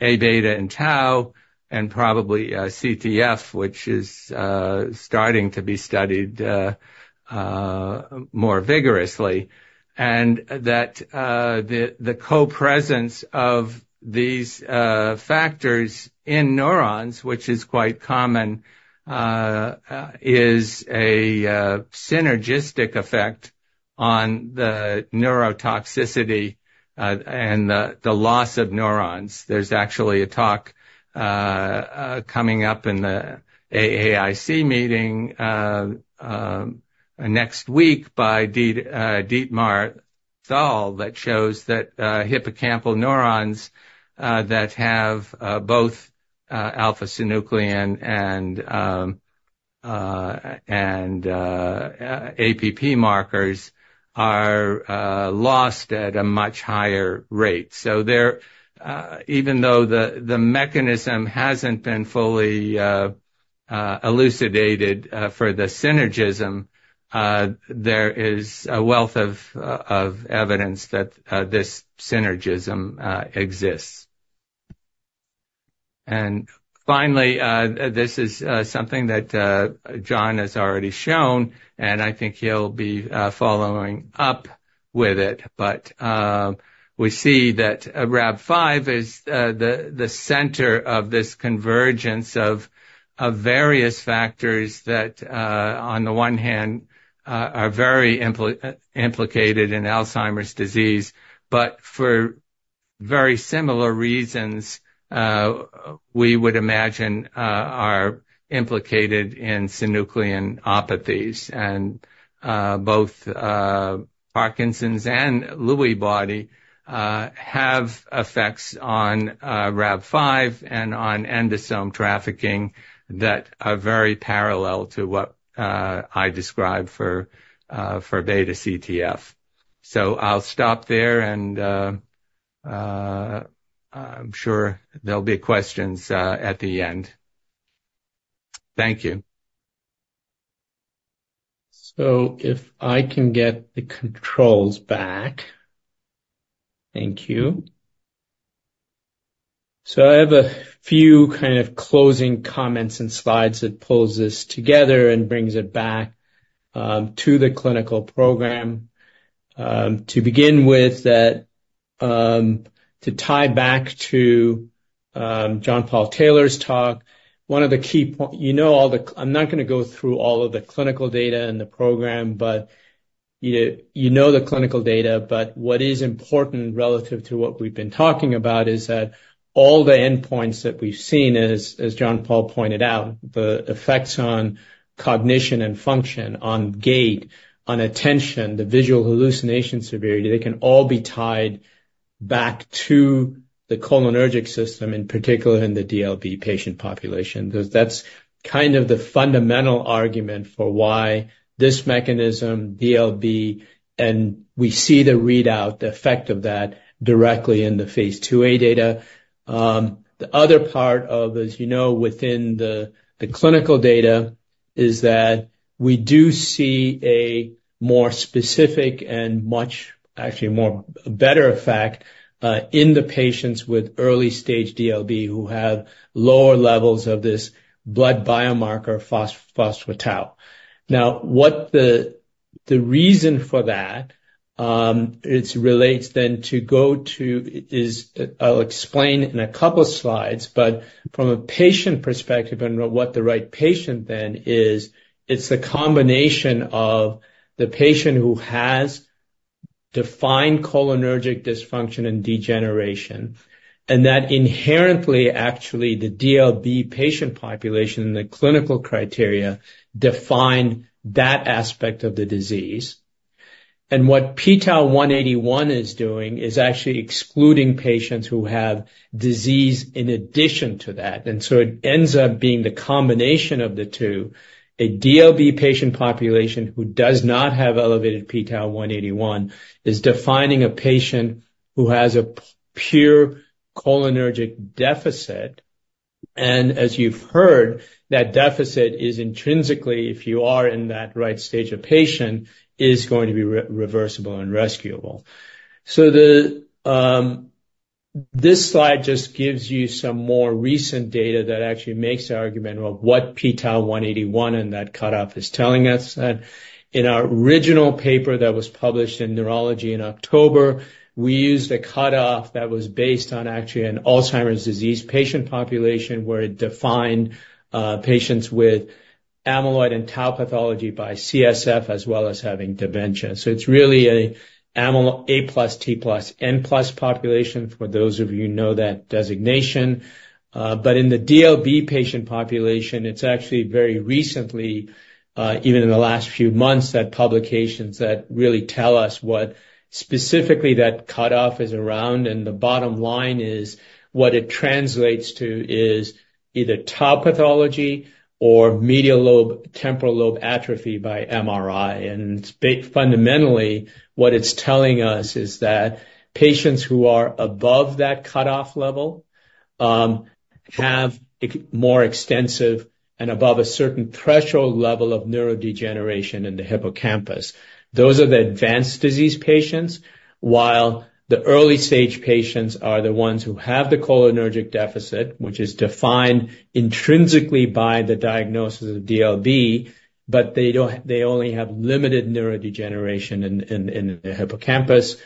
[SPEAKER 4] A-beta and tau, and probably CTF, which is starting to be studied more vigorously. And that the co-presence of these factors in neurons, which is quite common, is a synergistic effect on the neurotoxicity and the loss of neurons. There's actually a talk coming up in the AAIC meeting next week by Dietmar Thal that shows that hippocampal neurons that have both alpha-synuclein and APP markers are lost at a much higher rate. Even though the mechanism hasn't been fully elucidated for the synergism, there is a wealth of evidence that this synergism exists. And finally, this is something that John has already shown, and I think he'll be following up with it. But we see that Rab5 is the center of this convergence of various factors that, on the one hand, are very implicated in Alzheimer's disease. But for very similar reasons, we would imagine are implicated in synucleinopathies. And both Parkinson's and Lewy body have effects on Rab5 and on endosome trafficking that are very parallel to what I describe for Beta-CTF. So I'll stop there, and, I'm sure there'll be questions at the end. Thank you.
[SPEAKER 2] So if I can get the controls back. Thank you. So I have a few kind of closing comments and slides that pulls this together and brings it back to the clinical program. To begin with, that, to tie back to John-Paul Taylor's talk, one of the key you know, all the... I'm not gonna go through all of the clinical data and the program, but you know the clinical data. But what is important, relative to what we've been talking about, is that all the endpoints that we've seen as John-Paul pointed out, the effects on cognition and function, on gait, on attention, the visual hallucination severity, they can all be tied back to the cholinergic system, in particular, in the DLB patient population. So that's kind of the fundamental argument for why this mechanism, DLB, and we see the readout, the effect of that, directly in the phase II-A data. The other part of, as you know, within the clinical data, is that we do see a more specific and much, actually more better effect in the patients with early stage DLB, who have lower levels of this blood biomarker phospho-tau. Now, what the reason for that, it relates then to go to, is, I'll explain in a couple slides, but from a patient perspective and what the right patient then is, it's the combination of the patient who has defined cholinergic dysfunction and degeneration, and that inherently, actually, the DLB patient population and the clinical criteria define that aspect of the disease. What p-tau181 is doing is actually excluding patients who have disease in addition to that. So it ends up being the combination of the two. A DLB patient population who does not have elevated p-tau181 is defining a patient who has a pure cholinergic deficit- ...as you've heard, that deficit is intrinsically, if you are in that right stage of patient, is going to be reversible and rescuable. So this slide just gives you some more recent data that actually makes the argument about what p-tau181 and that cutoff is telling us. That in our original paper that was published in Neurology in October, we used a cutoff that was based on actually an Alzheimer’s disease patient population, where it defined patients with amyloid and tau pathology by CSF as well as having dementia. So it’s really an A+, T+, N+ population, for those of you who know that designation. But in the DLB patient population, it’s actually very recently, even in the last few months, that publications that really tell us what specifically that cutoff is around. And the bottom line is, what it translates to is either tau pathology or medial temporal lobe atrophy by MRI. And it's fundamentally, what it's telling us is that patients who are above that cutoff level have more extensive and above a certain threshold level of neurodegeneration in the hippocampus. Those are the advanced disease patients. While the early-stage patients are the ones who have the cholinergic deficit, which is defined intrinsically by the diagnosis of DLB, but they don't—they only have limited neurodegeneration in the hippocampus.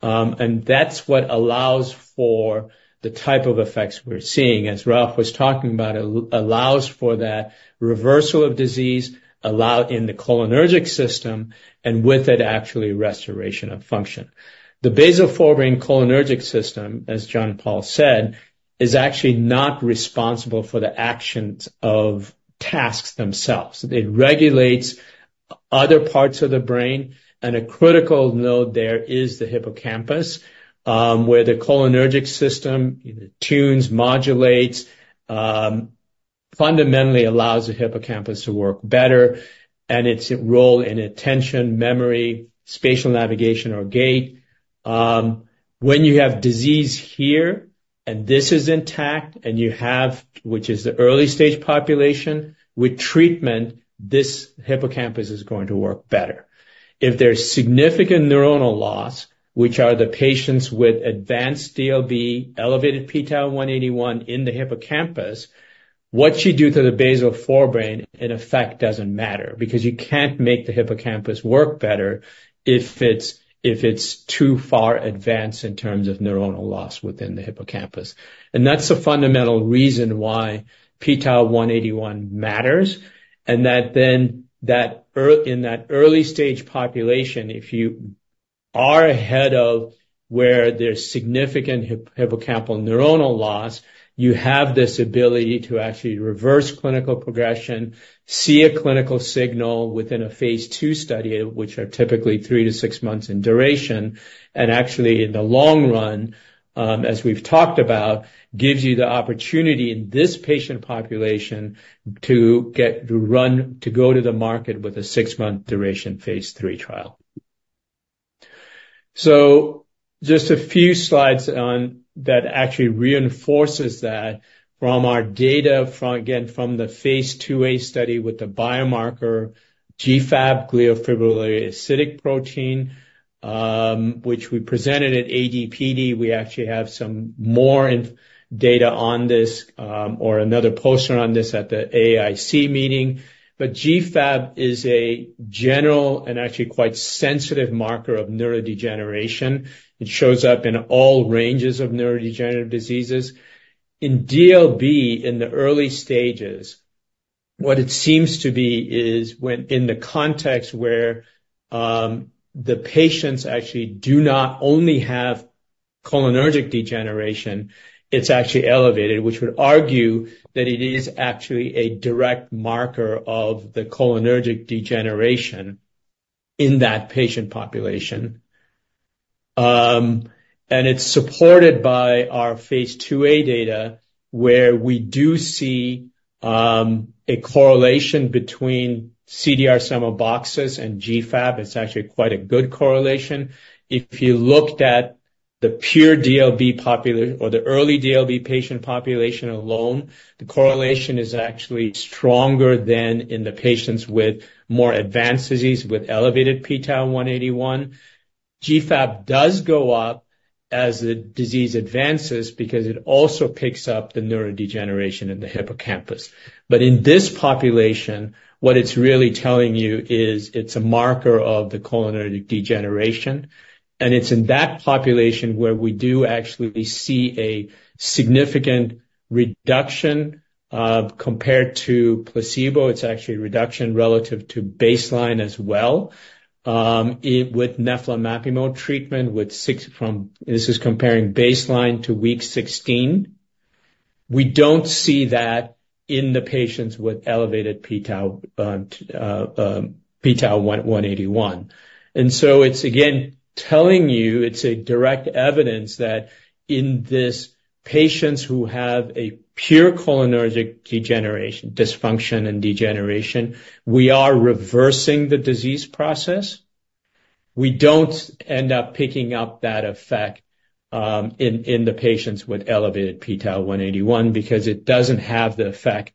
[SPEAKER 2] And that's what allows for the type of effects we're seeing. As Ralph was talking about, allows for that reversal of disease, allowing in the cholinergic system, and with it, actually restoration of function. The basal forebrain cholinergic system, as John-Paul said, is actually not responsible for the actions of tasks themselves. It regulates other parts of the brain, and a critical node there is the hippocampus, where the cholinergic system either tunes, modulates, fundamentally allows the hippocampus to work better, and its role in attention, memory, spatial navigation, or gait. When you have disease here, and this is intact, and you have, which is the early-stage population, with treatment, this hippocampus is going to work better. If there's significant neuronal loss, which are the patients with advanced DLB, elevated p-tau181 in the hippocampus, what you do to the basal forebrain, in effect, doesn't matter, because you can't make the hippocampus work better if it's too far advanced in terms of neuronal loss within the hippocampus. That's the fundamental reason why p-tau181 matters, and that early in that early-stage population, if you are ahead of where there's significant hippocampal neuronal loss, you have this ability to actually reverse clinical progression, see a clinical signal within a phase II study, which are typically three to six months in duration. Actually, in the long run, as we've talked about, gives you the opportunity in this patient population to get, to run, to go to the market with a six-month duration phase III trial. Just a few slides on that actually reinforces that from our data, from, again, from the phase II-A study with the biomarker GFAP, glial fibrillary acidic protein, which we presented at AD/PD. We actually have some more in-depth data on this, or another poster on this at the AAIC meeting. GFAP is a general and actually quite sensitive marker of neurodegeneration. It shows up in all ranges of neurodegenerative diseases. In DLB, in the early stages, what it seems to be is when, in the context where, the patients actually do not only have cholinergic degeneration, it's actually elevated, which would argue that it is actually a direct marker of the cholinergic degeneration in that patient population. And it's supported by our phase II-A data, where we do see, a correlation between CDR Sum of Boxes and GFAP. It's actually quite a good correlation. If you looked at the pure DLB population or the early DLB patient population alone, the correlation is actually stronger than in the patients with more advanced disease, with elevated p-tau181. GFAP does go up as the disease advances because it also picks up the neurodegeneration in the hippocampus. But in this population, what it's really telling you is it's a marker of the cholinergic degeneration, and it's in that population where we do actually see a significant reduction, compared to placebo. It's actually a reduction relative to baseline as well, with neflamapimod treatment. This is comparing baseline to week 16. We don't see that in the patients with elevated p-tau181. And so it's again telling you, it's a direct evidence, that in this patients who have a pure cholinergic degeneration, dysfunction and degeneration, we are reversing the disease process.... We don't end up picking up that effect, in the patients with elevated p-tau181, because it doesn't have the effect,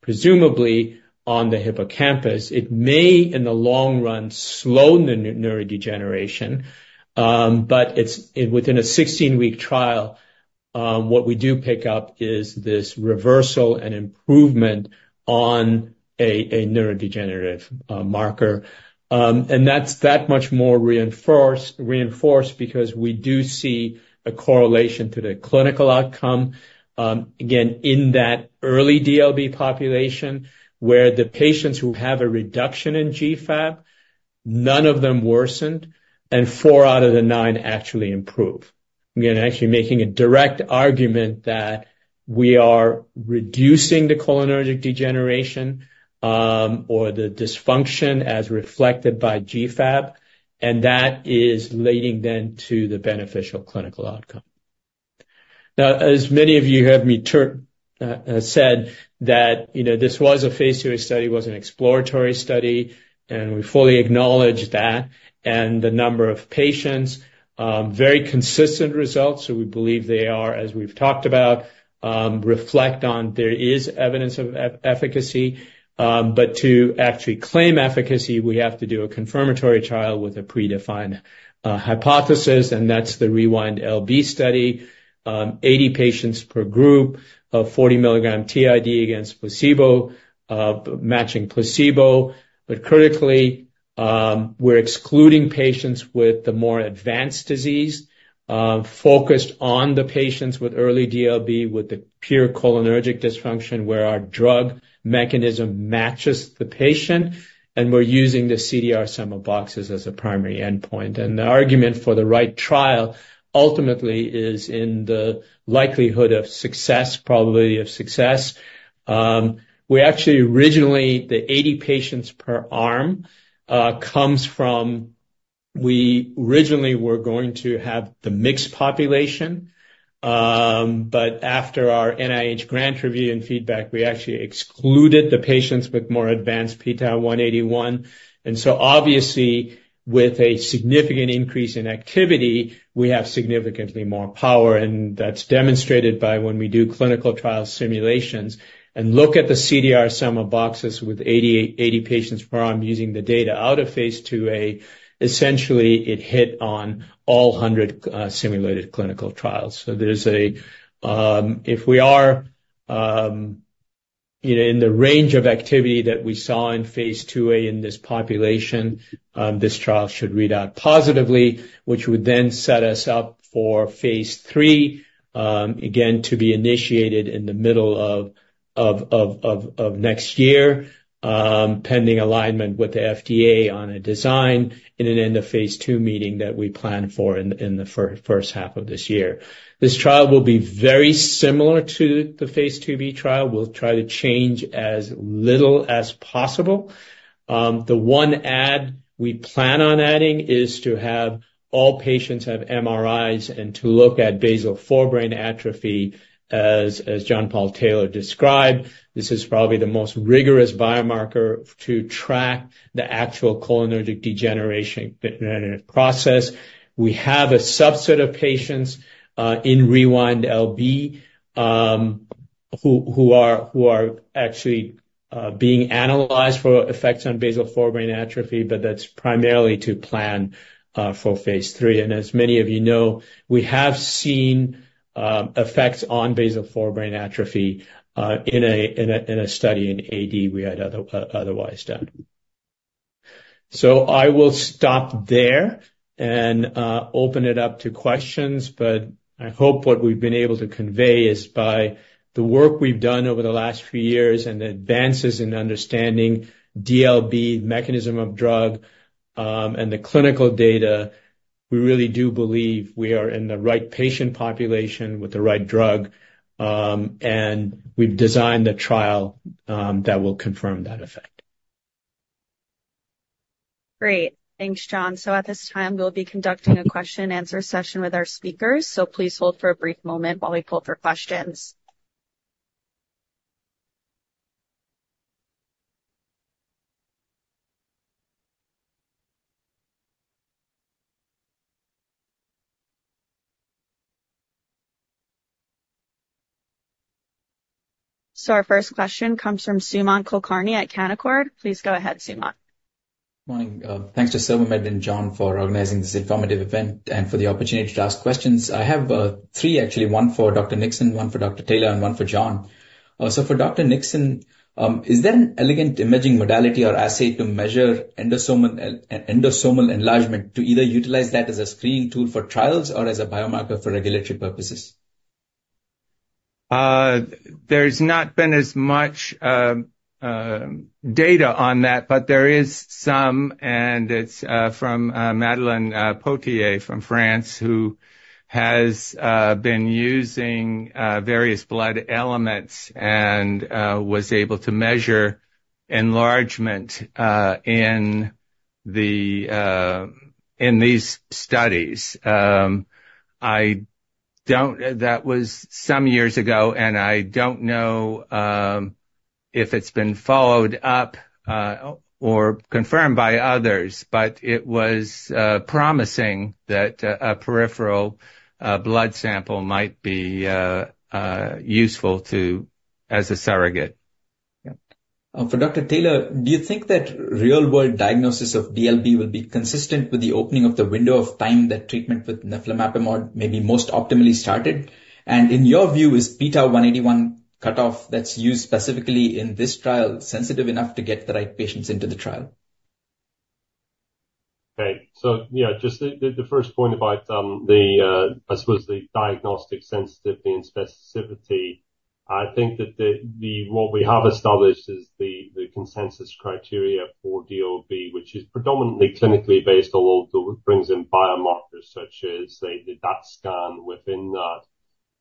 [SPEAKER 2] presumably, on the hippocampus. It may, in the long run, slow the neurodegeneration, but it's within a 16-week trial, what we do pick up is this reversal and improvement on a neurodegenerative marker. And that's that much more reinforced because we do see a correlation to the clinical outcome. Again, in that early DLB population, where the patients who have a reduction in GFAP, none of them worsened, and four out of the nine actually improve. We're actually making a direct argument that we are reducing the cholinergic degeneration, or the dysfunction as reflected by GFAP, and that is leading then to the beneficial clinical outcome. Now, as many of you heard me said, that, you know, this was a phase II-A study, it was an exploratory study, and we fully acknowledge that and the number of patients. Very consistent results, so we believe they are, as we've talked about, reflect on there is evidence of efficacy. But to actually claim efficacy, we have to do a confirmatory trial with a predefined hypothesis, and that's the REWIND-LB study. 80 patients per group of 40 mg TID against placebo, of matching placebo. But critically, we're excluding patients with the more advanced disease, focused on the patients with early DLB, with the pure cholinergic dysfunction, where our drug mechanism matches the patient, and we're using the CDR sum of boxes as a primary endpoint. The argument for the right trial ultimately is in the likelihood of success, probability of success. We actually originally, the 80 patients per arm, comes from... We originally were going to have the mixed population. But after our NIH grant review and feedback, we actually excluded the patients with more advanced p-tau181. And so, obviously, with a significant increase in activity, we have significantly more power, and that's demonstrated by when we do clinical trial simulations and look at the CDR sum of boxes with 80, 80 patients per arm using the data out of phase II-A, essentially, it hit on all 100 simulated clinical trials. So there's a if we are, you know, in the range of activity that we saw in phase two A in this population, this trial should read out positively, which would then set us up for phase three, again, to be initiated in the middle of next year, pending alignment with the FDA on a design in an end of phase two meeting that we plan for in the first half of this year. This trial will be very similar to the phase two B trial. We'll try to change as little as possible. The one add we plan on adding is to have all patients have MRIs and to look at basal forebrain atrophy, as John-Paul Taylor described. This is probably the most rigorous biomarker to track the actual cholinergic degeneration, degenerative process. We have a subset of patients in REWIND-LB who are actually being analyzed for effects on basal forebrain atrophy, but that's primarily to plan for phase three. And as many of you know, we have seen effects on basal forebrain atrophy in a study in AD we had otherwise done. So I will stop there and open it up to questions, but I hope what we've been able to convey is by the work we've done over the last few years and the advances in understanding DLB mechanism of drug and the clinical data, we really do believe we are in the right patient population with the right drug, and we've designed a trial that will confirm that effect.
[SPEAKER 1] Great. Thanks, John. At this time, we'll be conducting a question and answer session with our speakers, so please hold for a brief moment while we pull for questions. Our first question comes from Sumant Kulkarni at Canaccord. Please go ahead, Sumant.
[SPEAKER 5] Morning. Thanks to CervoMed and John for organizing this informative event and for the opportunity to ask questions. I have three, actually, one for Dr. Nixon, one for Dr. Taylor, and one for John. So for Dr. Nixon, is there an elegant imaging modality or assay to measure endosomal enlargement, to either utilize that as a screening tool for trials or as a biomarker for regulatory purposes?
[SPEAKER 4] There's not been as much data on that, but there is some, and it's from Madeleine Potier from France, who has been using various blood elements and was able to measure enlargement in these studies. I don't... That was some years ago, and I don't know if it's been followed up or confirmed by others, but it was promising that a peripheral blood sample might be useful to as a surrogate. Yep.
[SPEAKER 6] For Dr. Taylor, do you think that real-world diagnosis of DLB will be consistent with the opening of the window of time that treatment with neflamapimod may be most optimally started? In your view, is p-tau181 cutoff that's used specifically in this trial, sensitive enough to get the right patients into the trial?
[SPEAKER 3] Okay. So, yeah, just the first point about, I suppose, the diagnostic sensitivity and specificity. I think that what we have established is the consensus criteria for DLB, which is predominantly clinically based, although it brings in biomarkers such as, say, the DaTscan within that.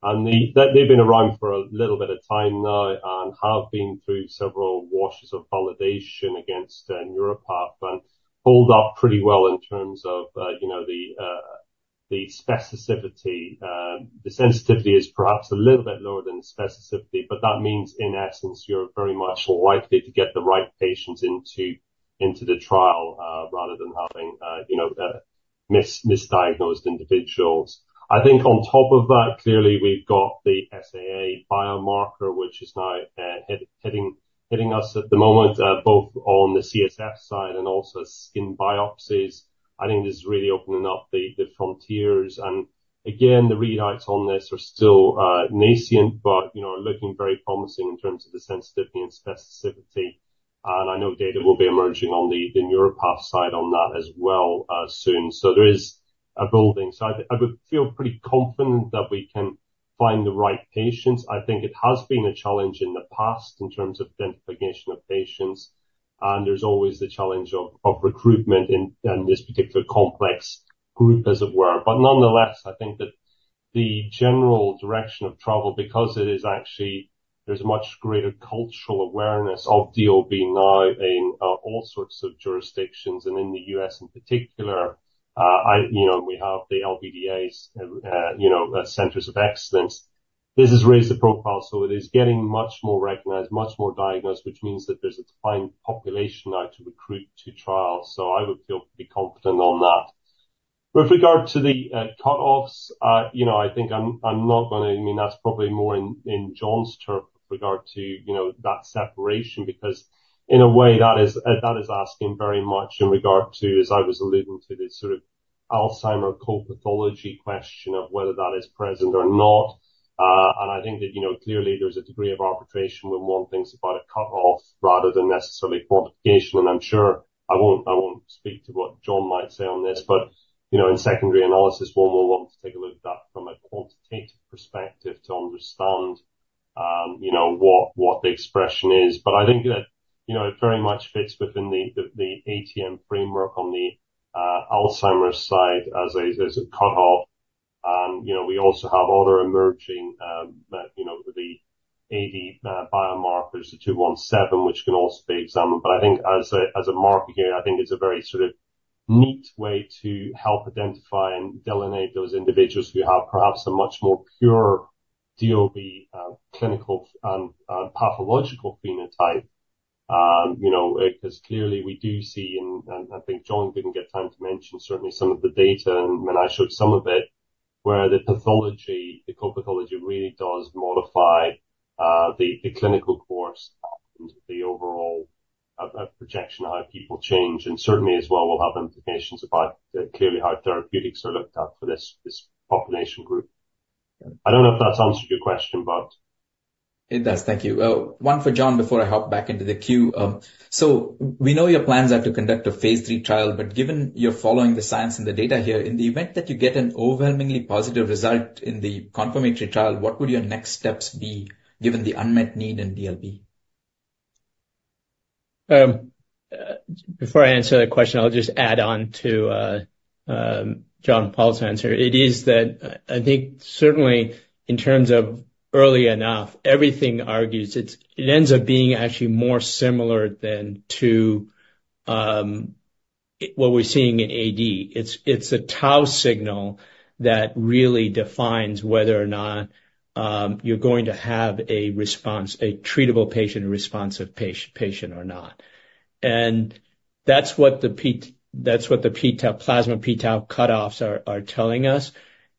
[SPEAKER 3] And they've been around for a little bit of time now and have been through several washes of validation against neuropathology, and hold up pretty well in terms of, you know, the specificity. The sensitivity is perhaps a little bit lower than the specificity, but that means, in essence, you're very much likely to get the right patients into the trial, rather than having, you know, misdiagnosed individuals. I think on top of that, clearly, we've got the SAA biomarker, which is now heading, hitting us at the moment, both on the CSF side and also skin biopsies. I think this is really opening up the frontiers, and again, the readouts on this are still nascent, but, you know, are looking very promising in terms of the sensitivity and specificity. I know data will be emerging on the Neuropath side on that as well, soon. So there is a building. So I would feel pretty confident that we can find the right patients. I think it has been a challenge in the past in terms of identification of patients, and there's always the challenge of recruitment in this particular complex group, as it were. But nonetheless, I think that the general direction of travel, because it is actually... there's much greater cultural awareness of DLB now in all sorts of jurisdictions, and in the U.S. in particular, I, you know, we have the LBDA's, you know, centers of excellence. This has raised the profile, so it is getting much more recognized, much more diagnosed, which means that there's a defined population now to recruit to trials. So I would feel pretty confident on that. But with regard to the cut-offs, you know, I think I'm not gonna... I mean, that's probably more in John's turf regard to, you know, that separation, because in a way, that is asking very much in regard to, as I was alluding to, this sort of Alzheimer's co-pathology question of whether that is present or not. And I think that, you know, clearly there's a degree of arbitration when one thinks about a cut-off rather than necessarily quantification, and I'm sure I won't, I won't speak to what John might say on this, but, you know, in secondary analysis, one will want to take a look at that from a quantitative perspective to understand, you know, what the expression is. But I think that, you know, it very much fits within the A/T/N framework on the Alzheimer's side as a cut-off. You know, we also have other emerging, that, you know, the AD biomarkers, the 217, which can also be examined. But I think as a marker here, I think it's a very sort of neat way to help identify and delineate those individuals who have perhaps a much more pure DLB clinical and pathological phenotype. You know, because clearly we do see, and I think John didn't get time to mention certainly some of the data, and when I showed some of it, where the pathology, the co-pathology really does modify the clinical course and the overall projection of how people change. And certainly as well, will have implications about clearly how therapeutics are looked at for this population group. I don't know if that's answered your question, but...
[SPEAKER 6] It does. Thank you. One for John before I hop back into the queue. So we know your plans are to conduct a phase III trial, but given you're following the science and the data here, in the event that you get an overwhelmingly positive result in the confirmatory trial, what would your next steps be, given the unmet need in DLB?
[SPEAKER 2] Before I answer that question, I'll just add on to John-Paul's answer. It is that I think certainly in terms of early enough, everything argues it ends up being actually more similar than to what we're seeing in AD. It's a tau signal that really defines whether or not you're going to have a response, a treatable patient, a responsive patient or not. And that's what the p-tau, plasma p-tau cutoffs are telling us.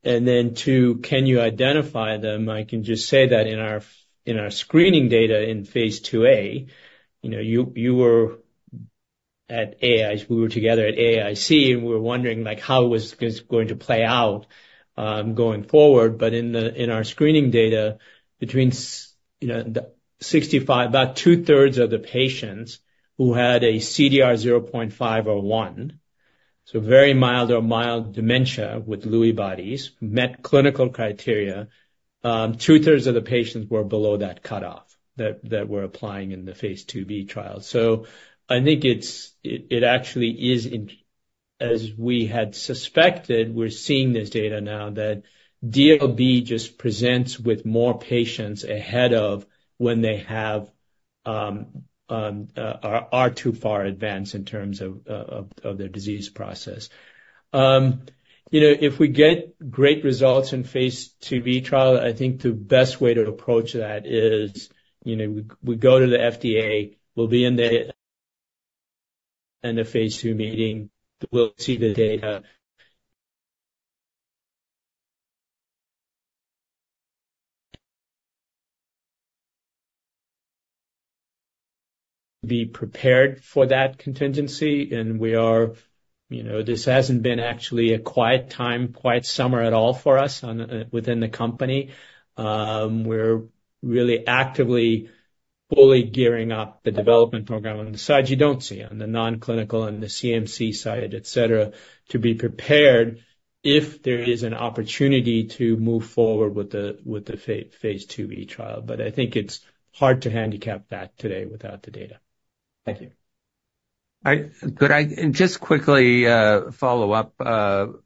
[SPEAKER 2] And then, too, can you identify them? I can just say that in our screening data in phase IIa, you know, you were at AAIC, we were together at AAIC, and we were wondering, like, how it was going to play out going forward. But in our screening data, you know, the 65, about two-thirds of the patients who had a CDR 0.5 or 1, so very mild or mild dementia with Lewy bodies, met clinical criteria. Two-thirds of the patients were below that cutoff that we're applying in the phase 1b trial. So I think it's actually, as we had suspected, we're seeing this data now that DLB just presents with more patients ahead of when they are too far advanced in terms of their disease process. You know, if we get great results in phase II-B trial, I think the best way to approach that is, you know, we go to the FDA, we'll be in the phase 2 meeting, we'll see the data. Be prepared for that contingency, and we are, you know, this hasn't been actually a quiet time, quiet summer at all for us on, within the company. We're really actively, fully gearing up the development program on the side you don't see, on the non-clinical and the CMC side, et cetera, to be prepared if there is an opportunity to move forward with the, with the phase 2B trial. But I think it's hard to handicap that today without the data.
[SPEAKER 6] Thank you.
[SPEAKER 4] Could I just quickly follow up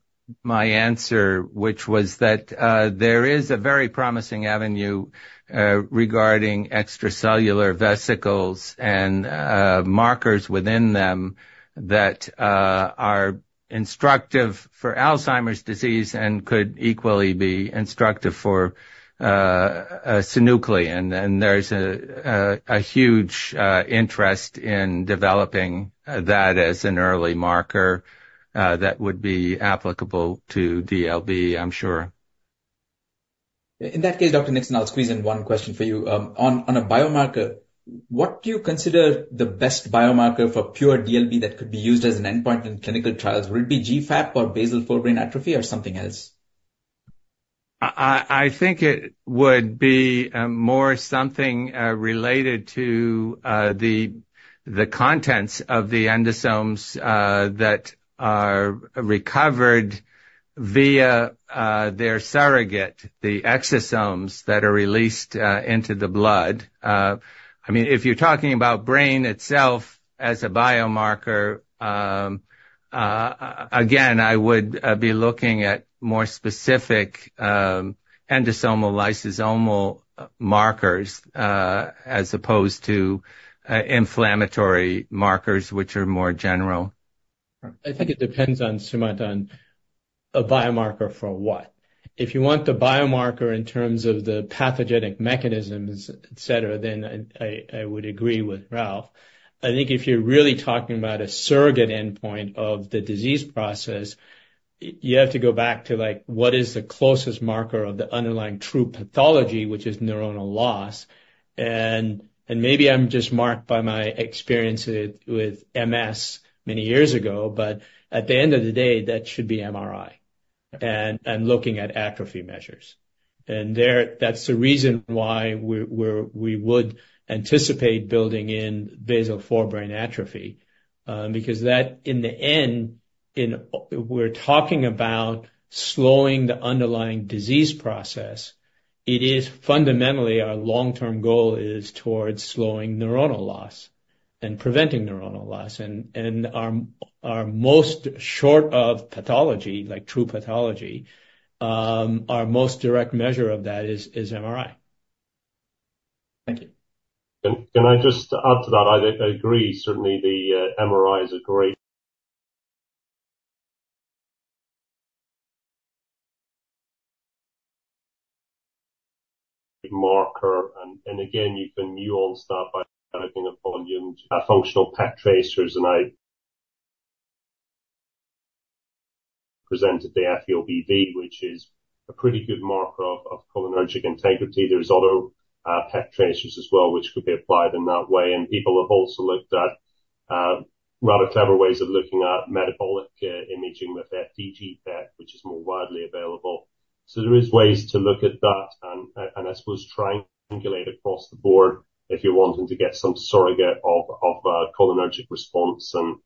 [SPEAKER 4] my answer, which was that there is a very promising avenue regarding extracellular vesicles and markers within them that are instructive for Alzheimer's disease and could equally be instructive for synuclein. And there's a huge interest in developing that as an early marker that would be applicable to DLB, I'm sure.
[SPEAKER 6] In that case, Dr. Nixon, I'll squeeze in one question for you. On a biomarker, what do you consider the best biomarker for pure DLB that could be used as an endpoint in clinical trials? Would it be GFAP or basal forebrain atrophy or something else?
[SPEAKER 4] I think it would be more something related to the contents of the endosomes that are recovered via their surrogate, the exosomes that are released into the blood. I mean, if you're talking about brain itself as a biomarker, again, I would be looking at more specific endosomal lysosomal markers as opposed to inflammatory markers, which are more general.
[SPEAKER 2] I think it depends on, Sumant, on a biomarker for what? If you want the biomarker in terms of the pathogenic mechanisms, et cetera, then I would agree with Ralph. I think if you're really talking about a surrogate endpoint of the disease process, you have to go back to, like, what is the closest marker of the underlying true pathology, which is neuronal loss. And maybe I'm just marked by my experience with MS many years ago, but at the end of the day, that should be MRI and looking at atrophy measures. And there, that's the reason why we're we would anticipate building in basal forebrain atrophy, because that in the end we're talking about slowing the underlying disease process, it is fundamentally our long-term goal is towards slowing neuronal loss and preventing neuronal loss. Our most sort of pathology, like true pathology, our most direct measure of that is MRI.
[SPEAKER 6] Thank you.
[SPEAKER 3] Can, can I just add to that? I, I agree. Certainly, the MRI is a great marker, and again, you can nuance that by adding a volume functional PET tracers, and I presented the FEOBV, which is a pretty good marker of cholinergic integrity. There's other PET tracers as well, which could be applied in that way. And people have also looked at rather clever ways of looking at metabolic imaging with FDG PET, which is more widely available. So there are ways to look at that and I suppose triangulate across the board if you're wanting to get some surrogate of cholinergic response. And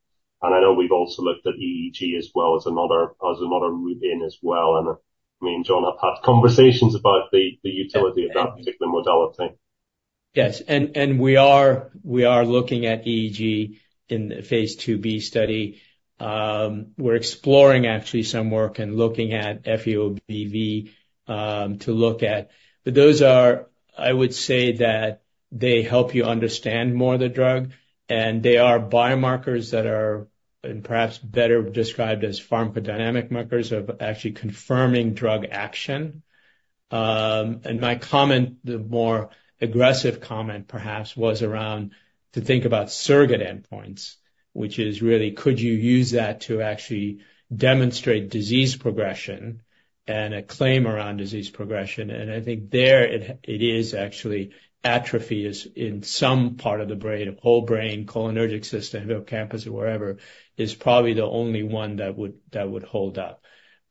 [SPEAKER 3] I know we've also looked at EEG as well as another route in as well. And me and John have had conversations about the utility of that particular modality.
[SPEAKER 2] Yes, we are looking at EEG in the phase II-B study. We're exploring actually some work and looking at FEOBV to look at. But those are... I would say that they help you understand more of the drug, and they are biomarkers that are, and perhaps better described as pharmacodynamic markers of actually confirming drug action. And my comment, the more aggressive comment, perhaps, was around to think about surrogate endpoints, which is really: Could you use that to actually demonstrate disease progression and a claim around disease progression? And I think there it is actually atrophy is in some part of the brain, whole brain, cholinergic system, hippocampus or wherever, is probably the only one that would hold up.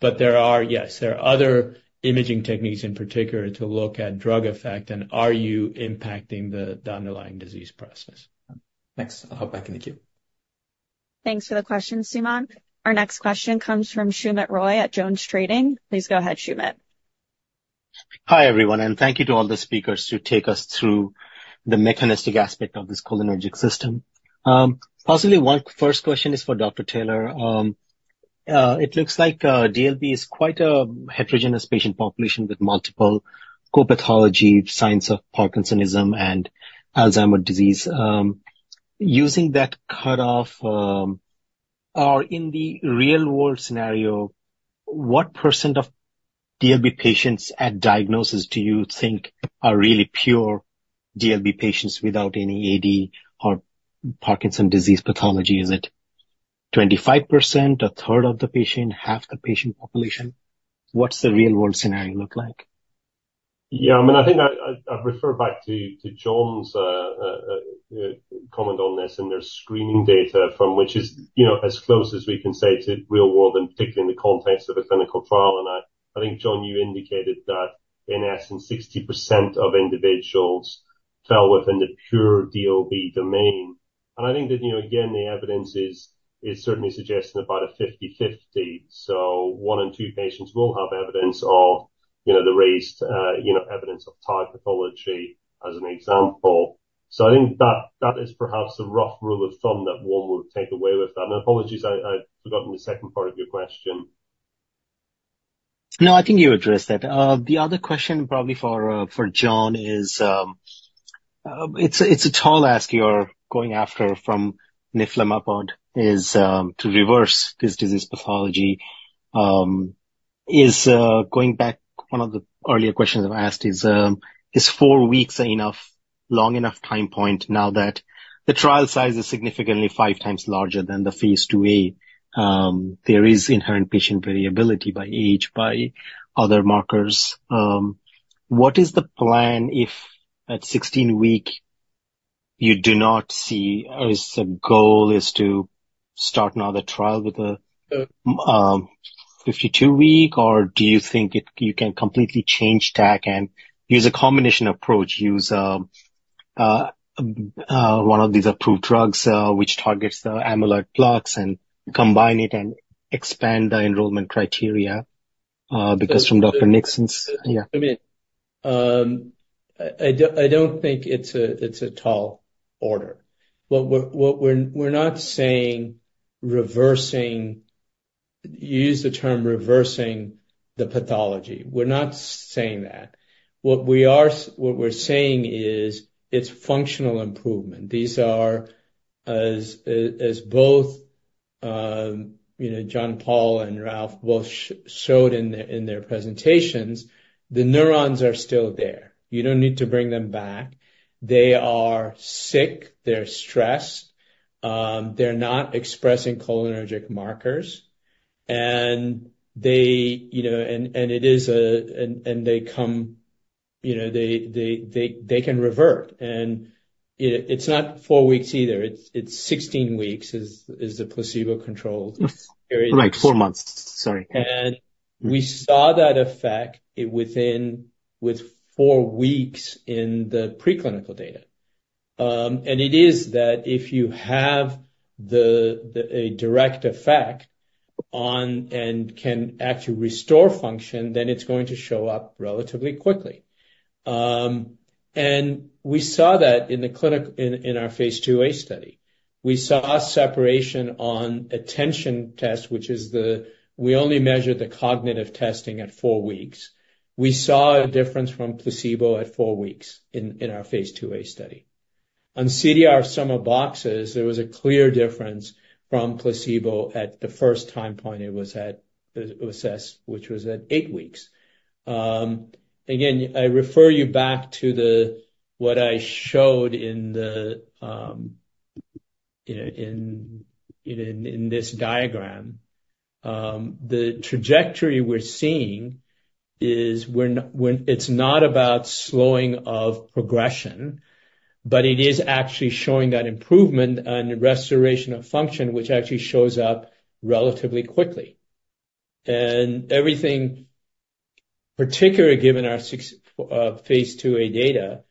[SPEAKER 2] There are, yes, there are other imaging techniques in particular to look at drug effect, and are you impacting the underlying disease process?
[SPEAKER 6] Thanks. I'll hop back in the queue.
[SPEAKER 1] Thanks for the question, Sumant. Our next question comes from Soumit Roy at JonesTrading. Please go ahead, Sumit.
[SPEAKER 5] Hi, everyone, and thank you to all the speakers to take us through the mechanistic aspect of this cholinergic system. Possibly one first question is for Dr. Taylor. It looks like, DLB is quite a heterogeneous patient population with multiple co-pathology signs of Parkinsonism and Alzheimer's disease. Using that cutoff, or in the real-world scenario, what percent of DLB patients at diagnosis do you think are really pure DLB patients without any AD or Parkinson's disease pathology? Is it 25%, a third of the patient, half the patient population? What's the real-world scenario look like?
[SPEAKER 3] Yeah, I mean, I think I'd refer back to John's comment on this and their screening data from which is, you know, as close as we can say to real world, and particularly in the context of a clinical trial. And I think, John, you indicated that in essence, 60% of individuals fell within the pure DLB domain. And I think that, you know, again, the evidence is certainly suggesting about a 50/50, so one in two patients will have evidence of, you know, the raised, you know, evidence of tau pathology as an example. So I think that is perhaps a rough rule of thumb that one would take away with that. And apologies, I've forgotten the second part of your question.
[SPEAKER 5] No, I think you addressed that. The other question probably for, for John is, it's a, it's a tall ask you're going after from neflamapimod is, to reverse this disease pathology. Going back, one of the earlier questions I've asked is, is 4 weeks enough, long enough time point now that the trial size is significantly 5 times larger than the phase II-A? There is inherent patient variability by age, by other markers. What is the plan if at 16-week you do not see, or is the goal is to start another trial with a, 52-week, or do you think it... You can completely change tack and use a combination approach, use one of these approved drugs, which targets the amyloid plaques and combine it and expand the enrollment criteria, because from Dr. Nixon's.
[SPEAKER 2] I don't think it's a tall order. What we're not saying reversing, you use the term reversing the pathology. We're not saying that. What we're saying is, it's functional improvement. These are, as both, you know, John-Paul and Ralph both showed in their presentations, the neurons are still there. You don't need to bring them back. They are sick, they're stressed, they're not expressing cholinergic markers, and they, you know, and, and it is a... and, and they come, you know, they can revert. And it's not four weeks either. It's 16 weeks is the placebo-controlled period.
[SPEAKER 5] Right, 4 months, sorry.
[SPEAKER 2] We saw that effect within 4 weeks in the preclinical data. And it is that if you have a direct effect on and can actually restore function, then it's going to show up relatively quickly. And we saw that in the clinic in our phase II-A study. We saw separation on attention test. We only measured the cognitive testing at 4 weeks. We saw a difference from placebo at 4 weeks in our phase II-A study. On CDR Sum of Boxes, there was a clear difference from placebo at the first time point it was assessed, which was at 8 weeks. Again, I refer you back to what I showed in the, you know, in this diagram. The trajectory we're seeing is we're where it's not about slowing of progression, but it is actually showing that improvement and restoration of function, which actually shows up relatively quickly. And everything, particularly given our 6 phase two A data,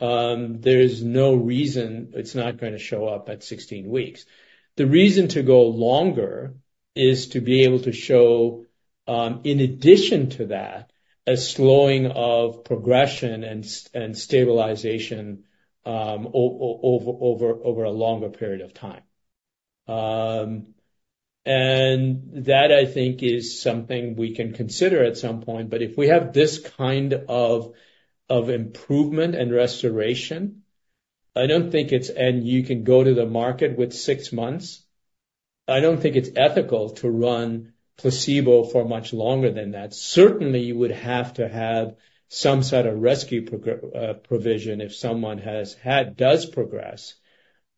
[SPEAKER 2] there is no reason it's not gonna show up at 16 weeks. The reason to go longer is to be able to show, in addition to that, a slowing of progression and stabilization, over a longer period of time. And that, I think, is something we can consider at some point, but if we have this kind of improvement and restoration, I don't think it's... and you can go to the market with 6 months, I don't think it's ethical to run placebo for much longer than that. Certainly, you would have to have some sort of rescue program provision if someone has had, does progress.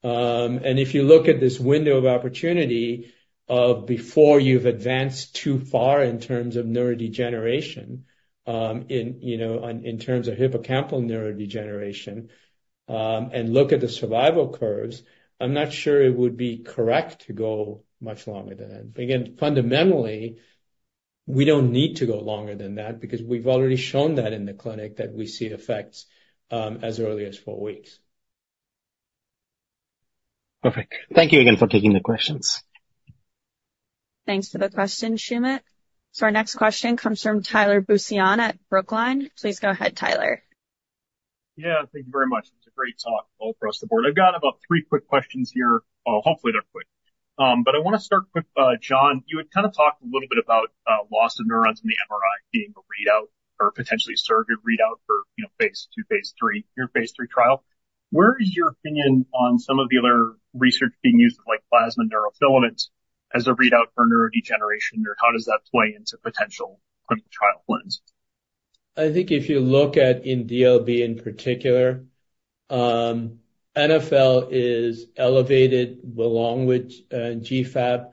[SPEAKER 2] And if you look at this window of opportunity before you've advanced too far in terms of neurodegeneration, you know, in terms of hippocampal neurodegeneration, and look at the survival curves, I'm not sure it would be correct to go much longer than that. Again, fundamentally, we don't need to go longer than that because we've already shown that in the clinic, that we see effects as early as four weeks.
[SPEAKER 5] Perfect. Thank you again for taking the questions.
[SPEAKER 1] Thanks for the question, Sumit. Our next question comes from Tyler Bussian at Brookline. Please go ahead, Tyler....
[SPEAKER 7] Yeah, thank you very much. It was a great talk all across the board. I've got about 3 quick questions here. Hopefully, they're quick. But I wanna start with, John, you had kind of talked a little bit about, loss of neurons in the MRI being a readout or potentially a surrogate readout for, you know, phase 2, phase 3, your phase 3 trial. Where is your opinion on some of the other research being used, like plasma neurofilaments, as a readout for neurodegeneration, or how does that play into potential clinical trial plans?
[SPEAKER 2] I think if you look at in DLB, in particular, NfL is elevated along with GFAP,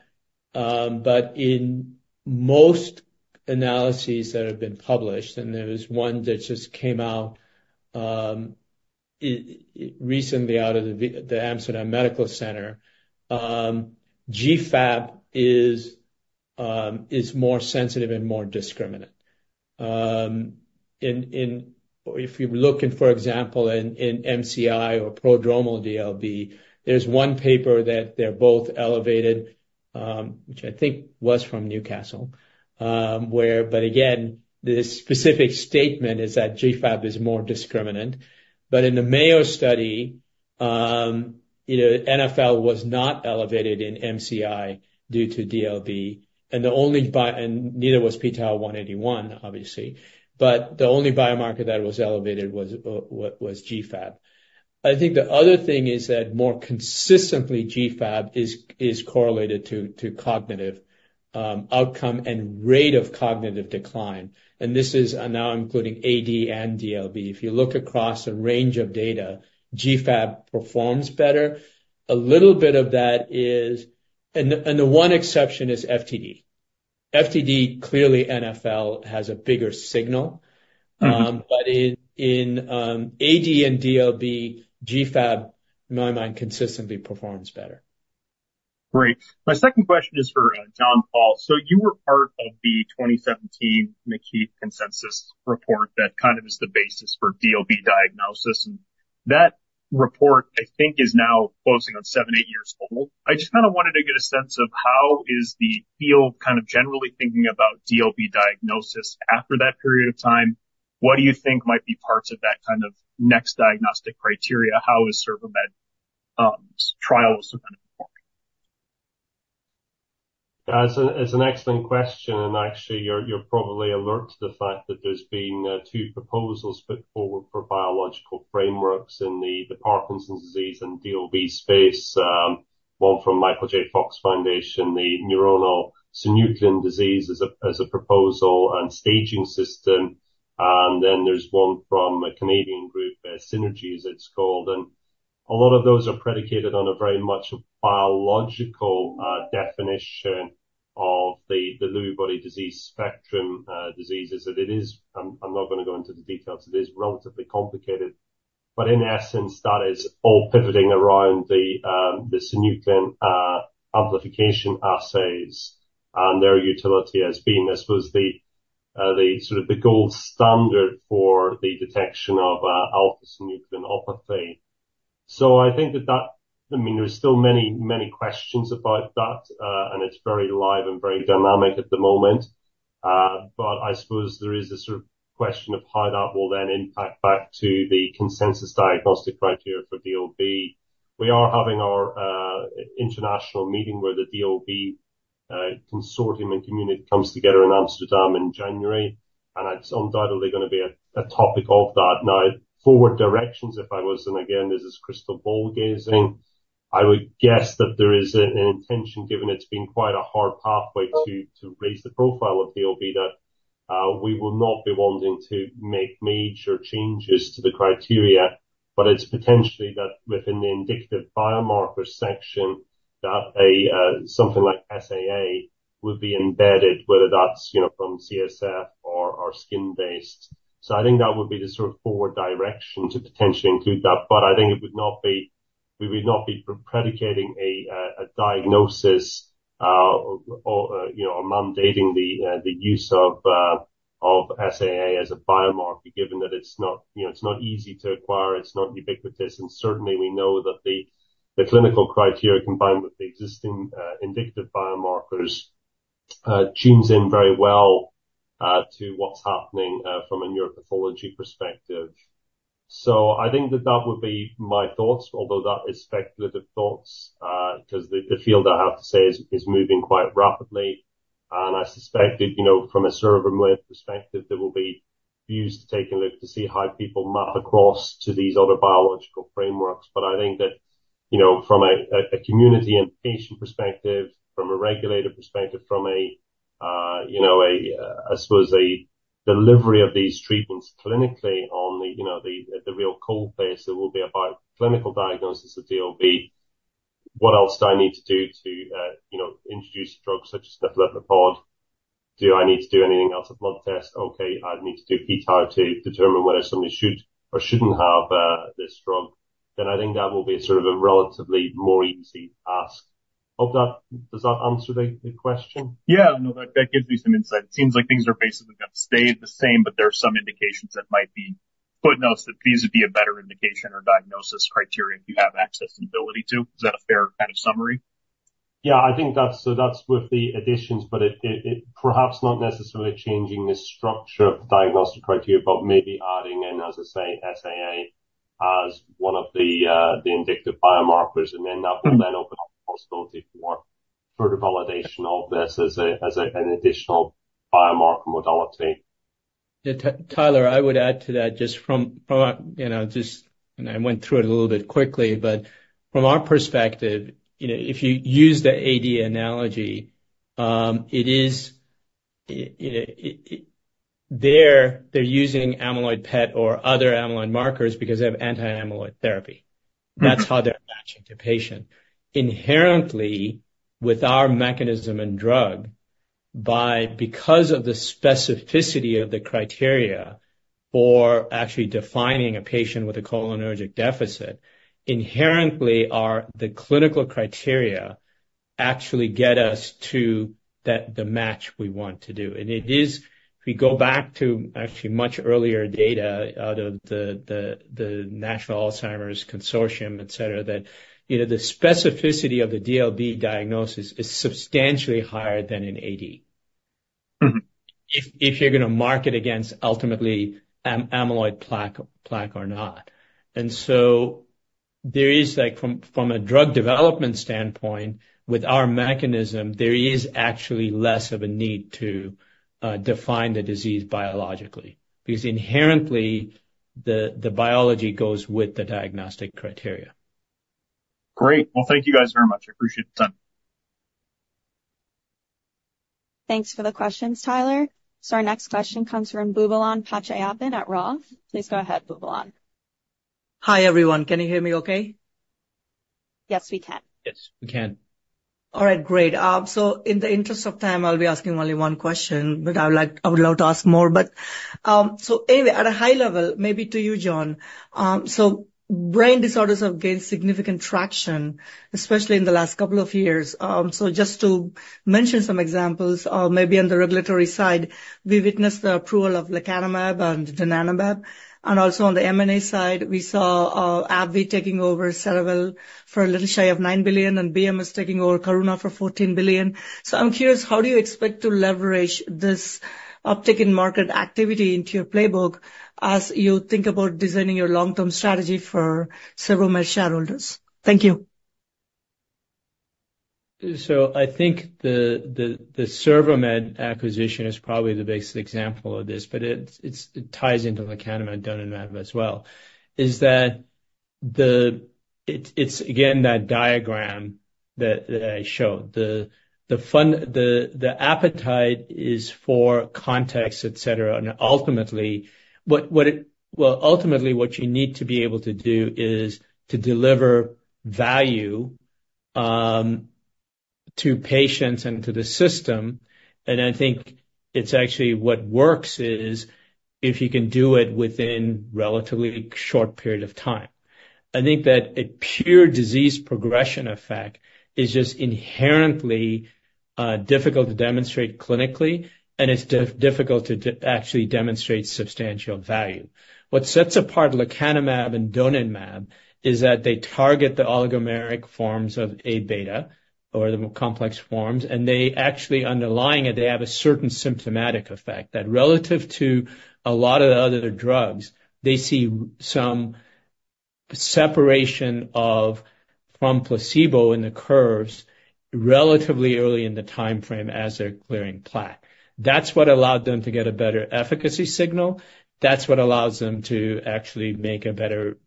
[SPEAKER 2] but in most analyses that have been published, and there is one that just came out, recently out of the Amsterdam UMC, GFAP is more sensitive and more discriminant. If you look in, for example, in MCI or prodromal DLB, there's one paper that they're both elevated, which I think was from Newcastle, but again, the specific statement is that GFAP is more discriminant. But in the Mayo study, you know, NfL was not elevated in MCI due to DLB, and neither was p-tau181, obviously. But the only biomarker that was elevated was GFAP. I think the other thing is that more consistently GFAP is correlated to cognitive outcome and rate of cognitive decline, and this is now including AD and DLB. If you look across a range of data, GFAP performs better. A little bit of that is, and the one exception is FTD. FTD, clearly NfL has a bigger signal.
[SPEAKER 7] Mm-hmm.
[SPEAKER 2] But in AD and DLB, GFAP, in my mind, consistently performs better.
[SPEAKER 7] Great. My second question is for John-Paul. So you were part of the 2017 McKeith consensus report that kind of is the basis for DLB diagnosis, and that report, I think, is now closing on 7-8 years old. I just kind of wanted to get a sense of how is the field kind of generally thinking about DLB diagnosis after that period of time. What do you think might be parts of that kind of next diagnostic criteria? How is CervoMed trials going to work?
[SPEAKER 3] That's an excellent question, and actually, you're probably alert to the fact that there's been two proposals put forward for biological frameworks in the Parkinson's disease and DLB space. One from Michael J. Fox Foundation, the neuronal synuclein disease as a proposal and staging system. And then there's one from a Canadian group, SynNeurGe, it's called, and a lot of those are predicated on a very much biological definition of the Lewy body disease spectrum, diseases, that it is. I'm not gonna go into the details. It is relatively complicated, but in essence, that is all pivoting around the synuclein amplification assays and their utility as being, I suppose, the sort of the gold standard for the detection of alpha-synucleinopathy. So I think that... I mean, there are still many, many questions about that, and it's very live and very dynamic at the moment. But I suppose there is a sort of question of how that will then impact back to the consensus diagnostic criteria for DLB. We are having our international meeting, where the DLB consortium and community comes together in Amsterdam in January, and it's undoubtedly gonna be a topic of that. Now, forward directions, if I was, and again, this is crystal ball gazing, I would guess that there is an intention, given it's been quite a hard pathway to raise the profile of DLB, that we will not be wanting to make major changes to the criteria. But it's potentially that within the indicative biomarker section, that a something like SAA would be embedded, whether that's, you know, from CSF or, or skin-based. So I think that would be the sort of forward direction to potentially include that, but I think it would not be-- we would not be predicating a diagnosis, or, or, you know, or mandating the, the use of of SAA as a biomarker, given that it's not, you know, it's not easy to acquire, it's not ubiquitous. And certainly, we know that the the clinical criteria, combined with the existing indicative biomarkers, tunes in very well to what's happening from a neuropathology perspective. So I think that that would be my thoughts, although that is speculative thoughts, 'cause the the field, I have to say, is is moving quite rapidly. I suspect that, you know, from a CervoMed perspective, there will be views to take a look to see how people map across to these other biological frameworks. But I think that, you know, from a community and patient perspective, from a regulator perspective, from a, you know, I suppose a delivery of these treatments clinically on the, you know, the, at the real coal face, it will be about clinical diagnosis of DLB. What else do I need to do to, you know, introduce drugs such as lecanemab? Do I need to do anything else, a blood test? Okay, I'd need to do p-tau to determine whether somebody should or shouldn't have this drug. Then I think that will be sort of a relatively more easy ask. Hope that— Does that answer the question?
[SPEAKER 7] Yeah. No, that, that gives me some insight. It seems like things are basically gonna stay the same, but there are some indications that might be footnotes, that these would be a better indication or diagnosis criteria if you have access and ability to. Is that a fair kind of summary?...
[SPEAKER 3] Yeah, I think that's, so that's with the additions, but it perhaps not necessarily changing the structure of the diagnostic criteria, but maybe adding in, as I say, SAA, as one of the indicative biomarkers, and then that would open up the possibility for further validation of this as an additional biomarker modality.
[SPEAKER 2] Yeah, Tyler, I would add to that, just from a, you know, just, and I went through it a little bit quickly, but from our perspective, you know, if you use the AD analogy, it is, you know, it, they're using amyloid PET or other amyloid markers because they have anti-amyloid therapy.
[SPEAKER 7] Mm-hmm.
[SPEAKER 2] That's how they're matching the patient. Inherently, with our mechanism and drug, because of the specificity of the criteria for actually defining a patient with a cholinergic deficit, inherently, the clinical criteria actually get us to that, the match we want to do. And it is, if we go back to actually much earlier data out of the National Alzheimer's Consortium, et cetera, that, you know, the specificity of the DLB diagnosis is substantially higher than in AD.
[SPEAKER 7] Mm-hmm.
[SPEAKER 2] If you're gonna market against ultimately amyloid plaque or not. And so there is, like, from a drug development standpoint, with our mechanism, there is actually less of a need to define the disease biologically, because inherently, the biology goes with the diagnostic criteria.
[SPEAKER 7] Great. Well, thank you guys very much. I appreciate the time.
[SPEAKER 8] Thanks for the questions, Tyler. Our next question comes from Boobalan Pachaiyappan at Roth. Please go ahead, Boobalan.
[SPEAKER 9] Hi, everyone. Can you hear me okay?
[SPEAKER 8] Yes, we can.
[SPEAKER 3] Yes, we can.
[SPEAKER 9] All right, great. So in the interest of time, I'll be asking only one question, but I would like, I would love to ask more. But, so anyway, at a high level, maybe to you, John, so brain disorders have gained significant traction, especially in the last couple of years. So just to mention some examples, maybe on the regulatory side, we witnessed the approval of lecanemab and donanemab, and also on the M&A side, we saw, AbbVie taking over Cerevel for a little shy of $9 billion, and BMS taking over Karuna for $14 billion. So I'm curious, how do you expect to leverage this uptick in market activity into your playbook as you think about designing your long-term strategy for several shareholders? Thank you.
[SPEAKER 2] So I think the CervoMed acquisition is probably the best example of this, but it ties into lecanemab and donanemab as well. It's again, that diagram that I showed. The appetite is for context, et cetera. And ultimately, what it-- well, ultimately, what you need to be able to do is to deliver value to patients and to the system. And I think it's actually what works is, if you can do it within relatively short period of time. I think that a pure disease progression effect is just inherently difficult to demonstrate clinically, and it's difficult to actually demonstrate substantial value. What sets apart lecanemab and donanemab is that they target the oligomeric forms of A-beta, or the more complex forms, and they actually, underlying it, they have a certain symptomatic effect, that relative to a lot of the other drugs, they see some separation of, from placebo in the curves relatively early in the timeframe as they're clearing plaque. That's what allowed them to get a better efficacy signal. That's what allows them to actually make a better,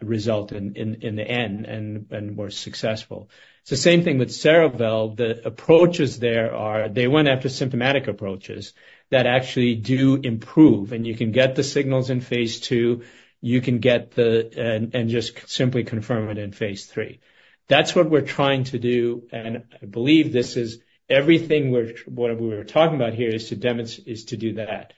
[SPEAKER 2] result in, in, in the end and, and more successful. It's the same thing with Cerevel. The approaches there are, they went after symptomatic approaches that actually do improve, and you can get the signals in phase two, you can get the... and, and just simply confirm it in phase three. That's what we're trying to do, and I believe this is everything we're, what we were talking about here is to do that.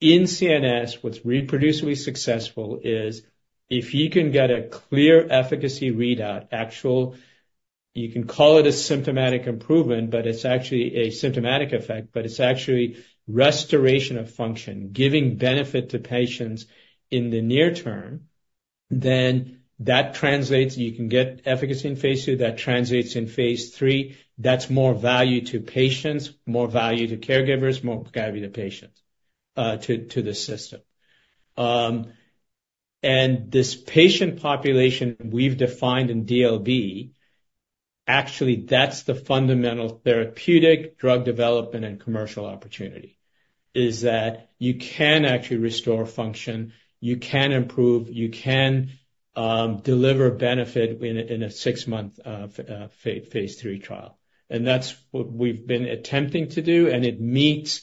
[SPEAKER 2] In CNS, what's reproducibly successful is if you can get a clear efficacy readout, actually, you can call it a symptomatic improvement, but it's actually a symptomatic effect, but it's actually restoration of function, giving benefit to patients in the near term, then that translates, you can get efficacy in phase two, that translates in phase three. That's more value to patients, more value to caregivers, more value to patients, to, to the system. And this patient population we've defined in DLB, actually, that's the fundamental therapeutic drug development and commercial opportunity, is that you can actually restore function, you can improve, you can deliver benefit in a six-month phase three trial. That's what we've been attempting to do, and it meets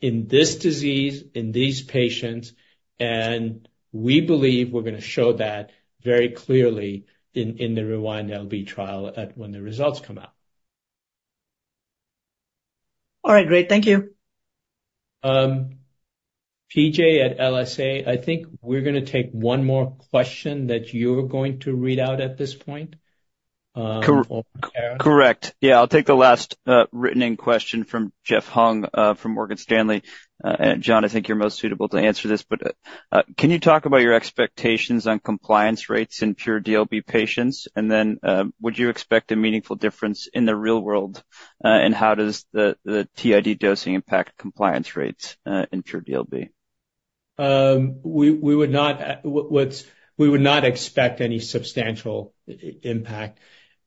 [SPEAKER 2] in this disease, in these patients, and we believe we're gonna show that very clearly in the REWIND-LB trial when the results come out.
[SPEAKER 9] All right. Great. Thank you.
[SPEAKER 2] PJ at LSA, I think we're gonna take one more question that you're going to read out at this point, or Karen.
[SPEAKER 10] Correct. Yeah, I'll take the last, written-in question from Jeff Hung, from Morgan Stanley. And John, I think you're most suitable to answer this, but, can you talk about your expectations on compliance rates in pure DLB patients? And then, would you expect a meaningful difference in the real world, and how does the TID dosing impact compliance rates, in pure DLB?
[SPEAKER 2] We would not expect any substantial impact.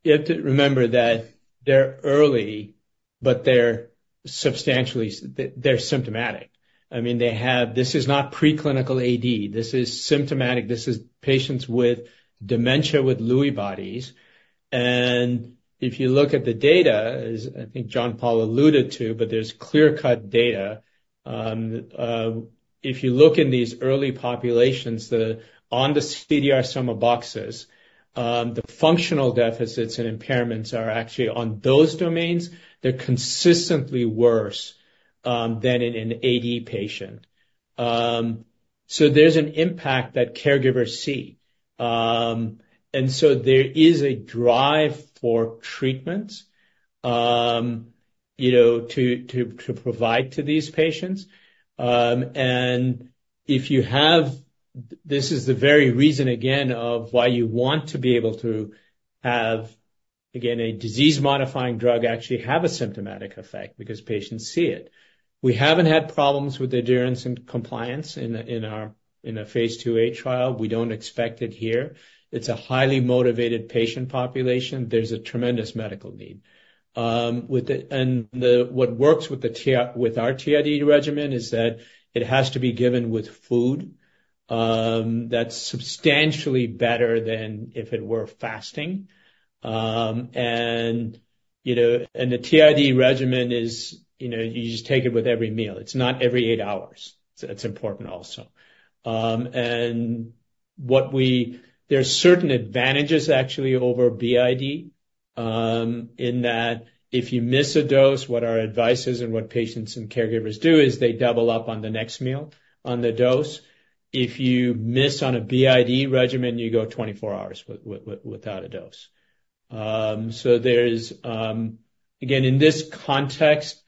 [SPEAKER 2] You have to remember that they're early, but they're symptomatic. I mean, they have. This is not preclinical AD. This is symptomatic. This is patients with dementia with Lewy bodies, and if you look at the data, as I think John-Paul alluded to, but there's clear-cut data. If you look in these early populations, on the CDR sum of boxes, the functional deficits and impairments are actually on those domains, they're consistently worse than in an AD patient. So there's an impact that caregivers see. And so there is a drive for treatments, you know, to provide to these patients. This is the very reason, again, of why you want to be able to have, again, a disease-modifying drug actually have a symptomatic effect because patients see it. We haven't had problems with adherence and compliance in our Phase 2A trial. We don't expect it here. It's a highly motivated patient population. There's a tremendous medical need. And what works with our TID regimen is that it has to be given with food. That's substantially better than if it were fasting. And, you know, the TID regimen is, you know, you just take it with every meal. It's not every 8 hours. So that's important also. There are certain advantages actually over BID in that if you miss a dose, what our advice is and what patients and caregivers do is they double up on the next meal, on the dose. If you miss on a BID regimen, you go 24 hours without a dose. So there's, again, in this context,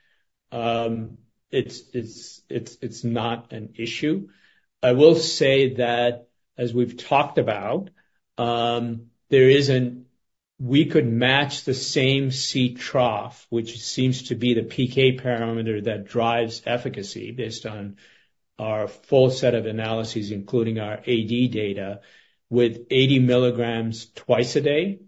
[SPEAKER 2] it's not an issue. I will say that, as we've talked about, we could match the same C trough, which seems to be the PK parameter that drives efficacy based on our full set of analyses, including our AD data, with 80 milligrams twice a day.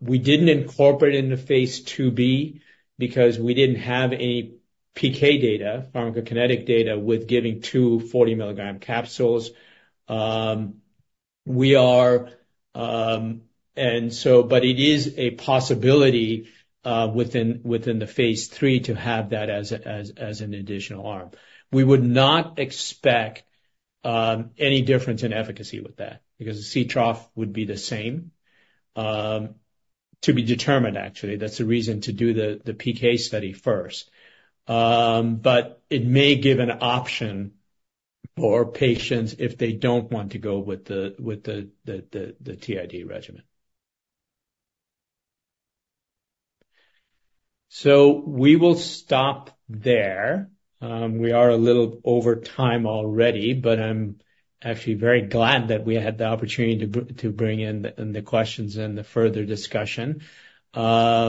[SPEAKER 2] We didn't incorporate it in the phase II-B because we didn't have any PK data, pharmacokinetic data, with giving two 40-milligram capsules. We are... But it is a possibility within the Phase 3 to have that as an additional arm. We would not expect any difference in efficacy with that, because the C trough would be the same. To be determined, actually. That's the reason to do the PK study first. But it may give an option for patients if they don't want to go with the TID regimen. So we will stop there. We are a little over time already, but I'm actually very glad that we had the opportunity to bring in the questions and the further discussion. I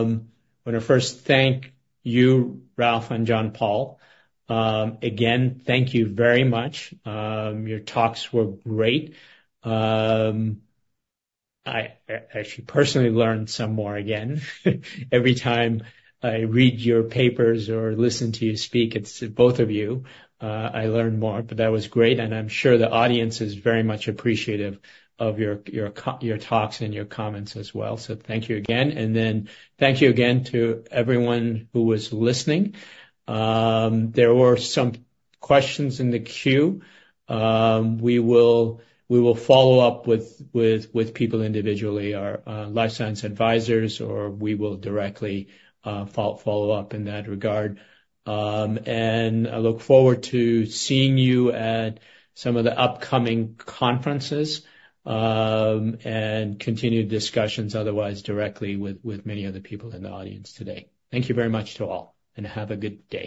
[SPEAKER 2] want to first thank you, Ralph and John-Paul. Again, thank you very much. Your talks were great. I actually personally learned some more again. Every time I read your papers or listen to you speak, it's both of you, I learn more. But that was great, and I'm sure the audience is very much appreciative of your talks and your comments as well. So thank you again, and then thank you again to everyone who was listening. There were some questions in the queue. We will follow up with people individually, our LifeSci Advisors, or we will directly follow up in that regard. And I look forward to seeing you at some of the upcoming conferences, and continued discussions otherwise directly with many of the people in the audience today. Thank you very much to all, and have a good day.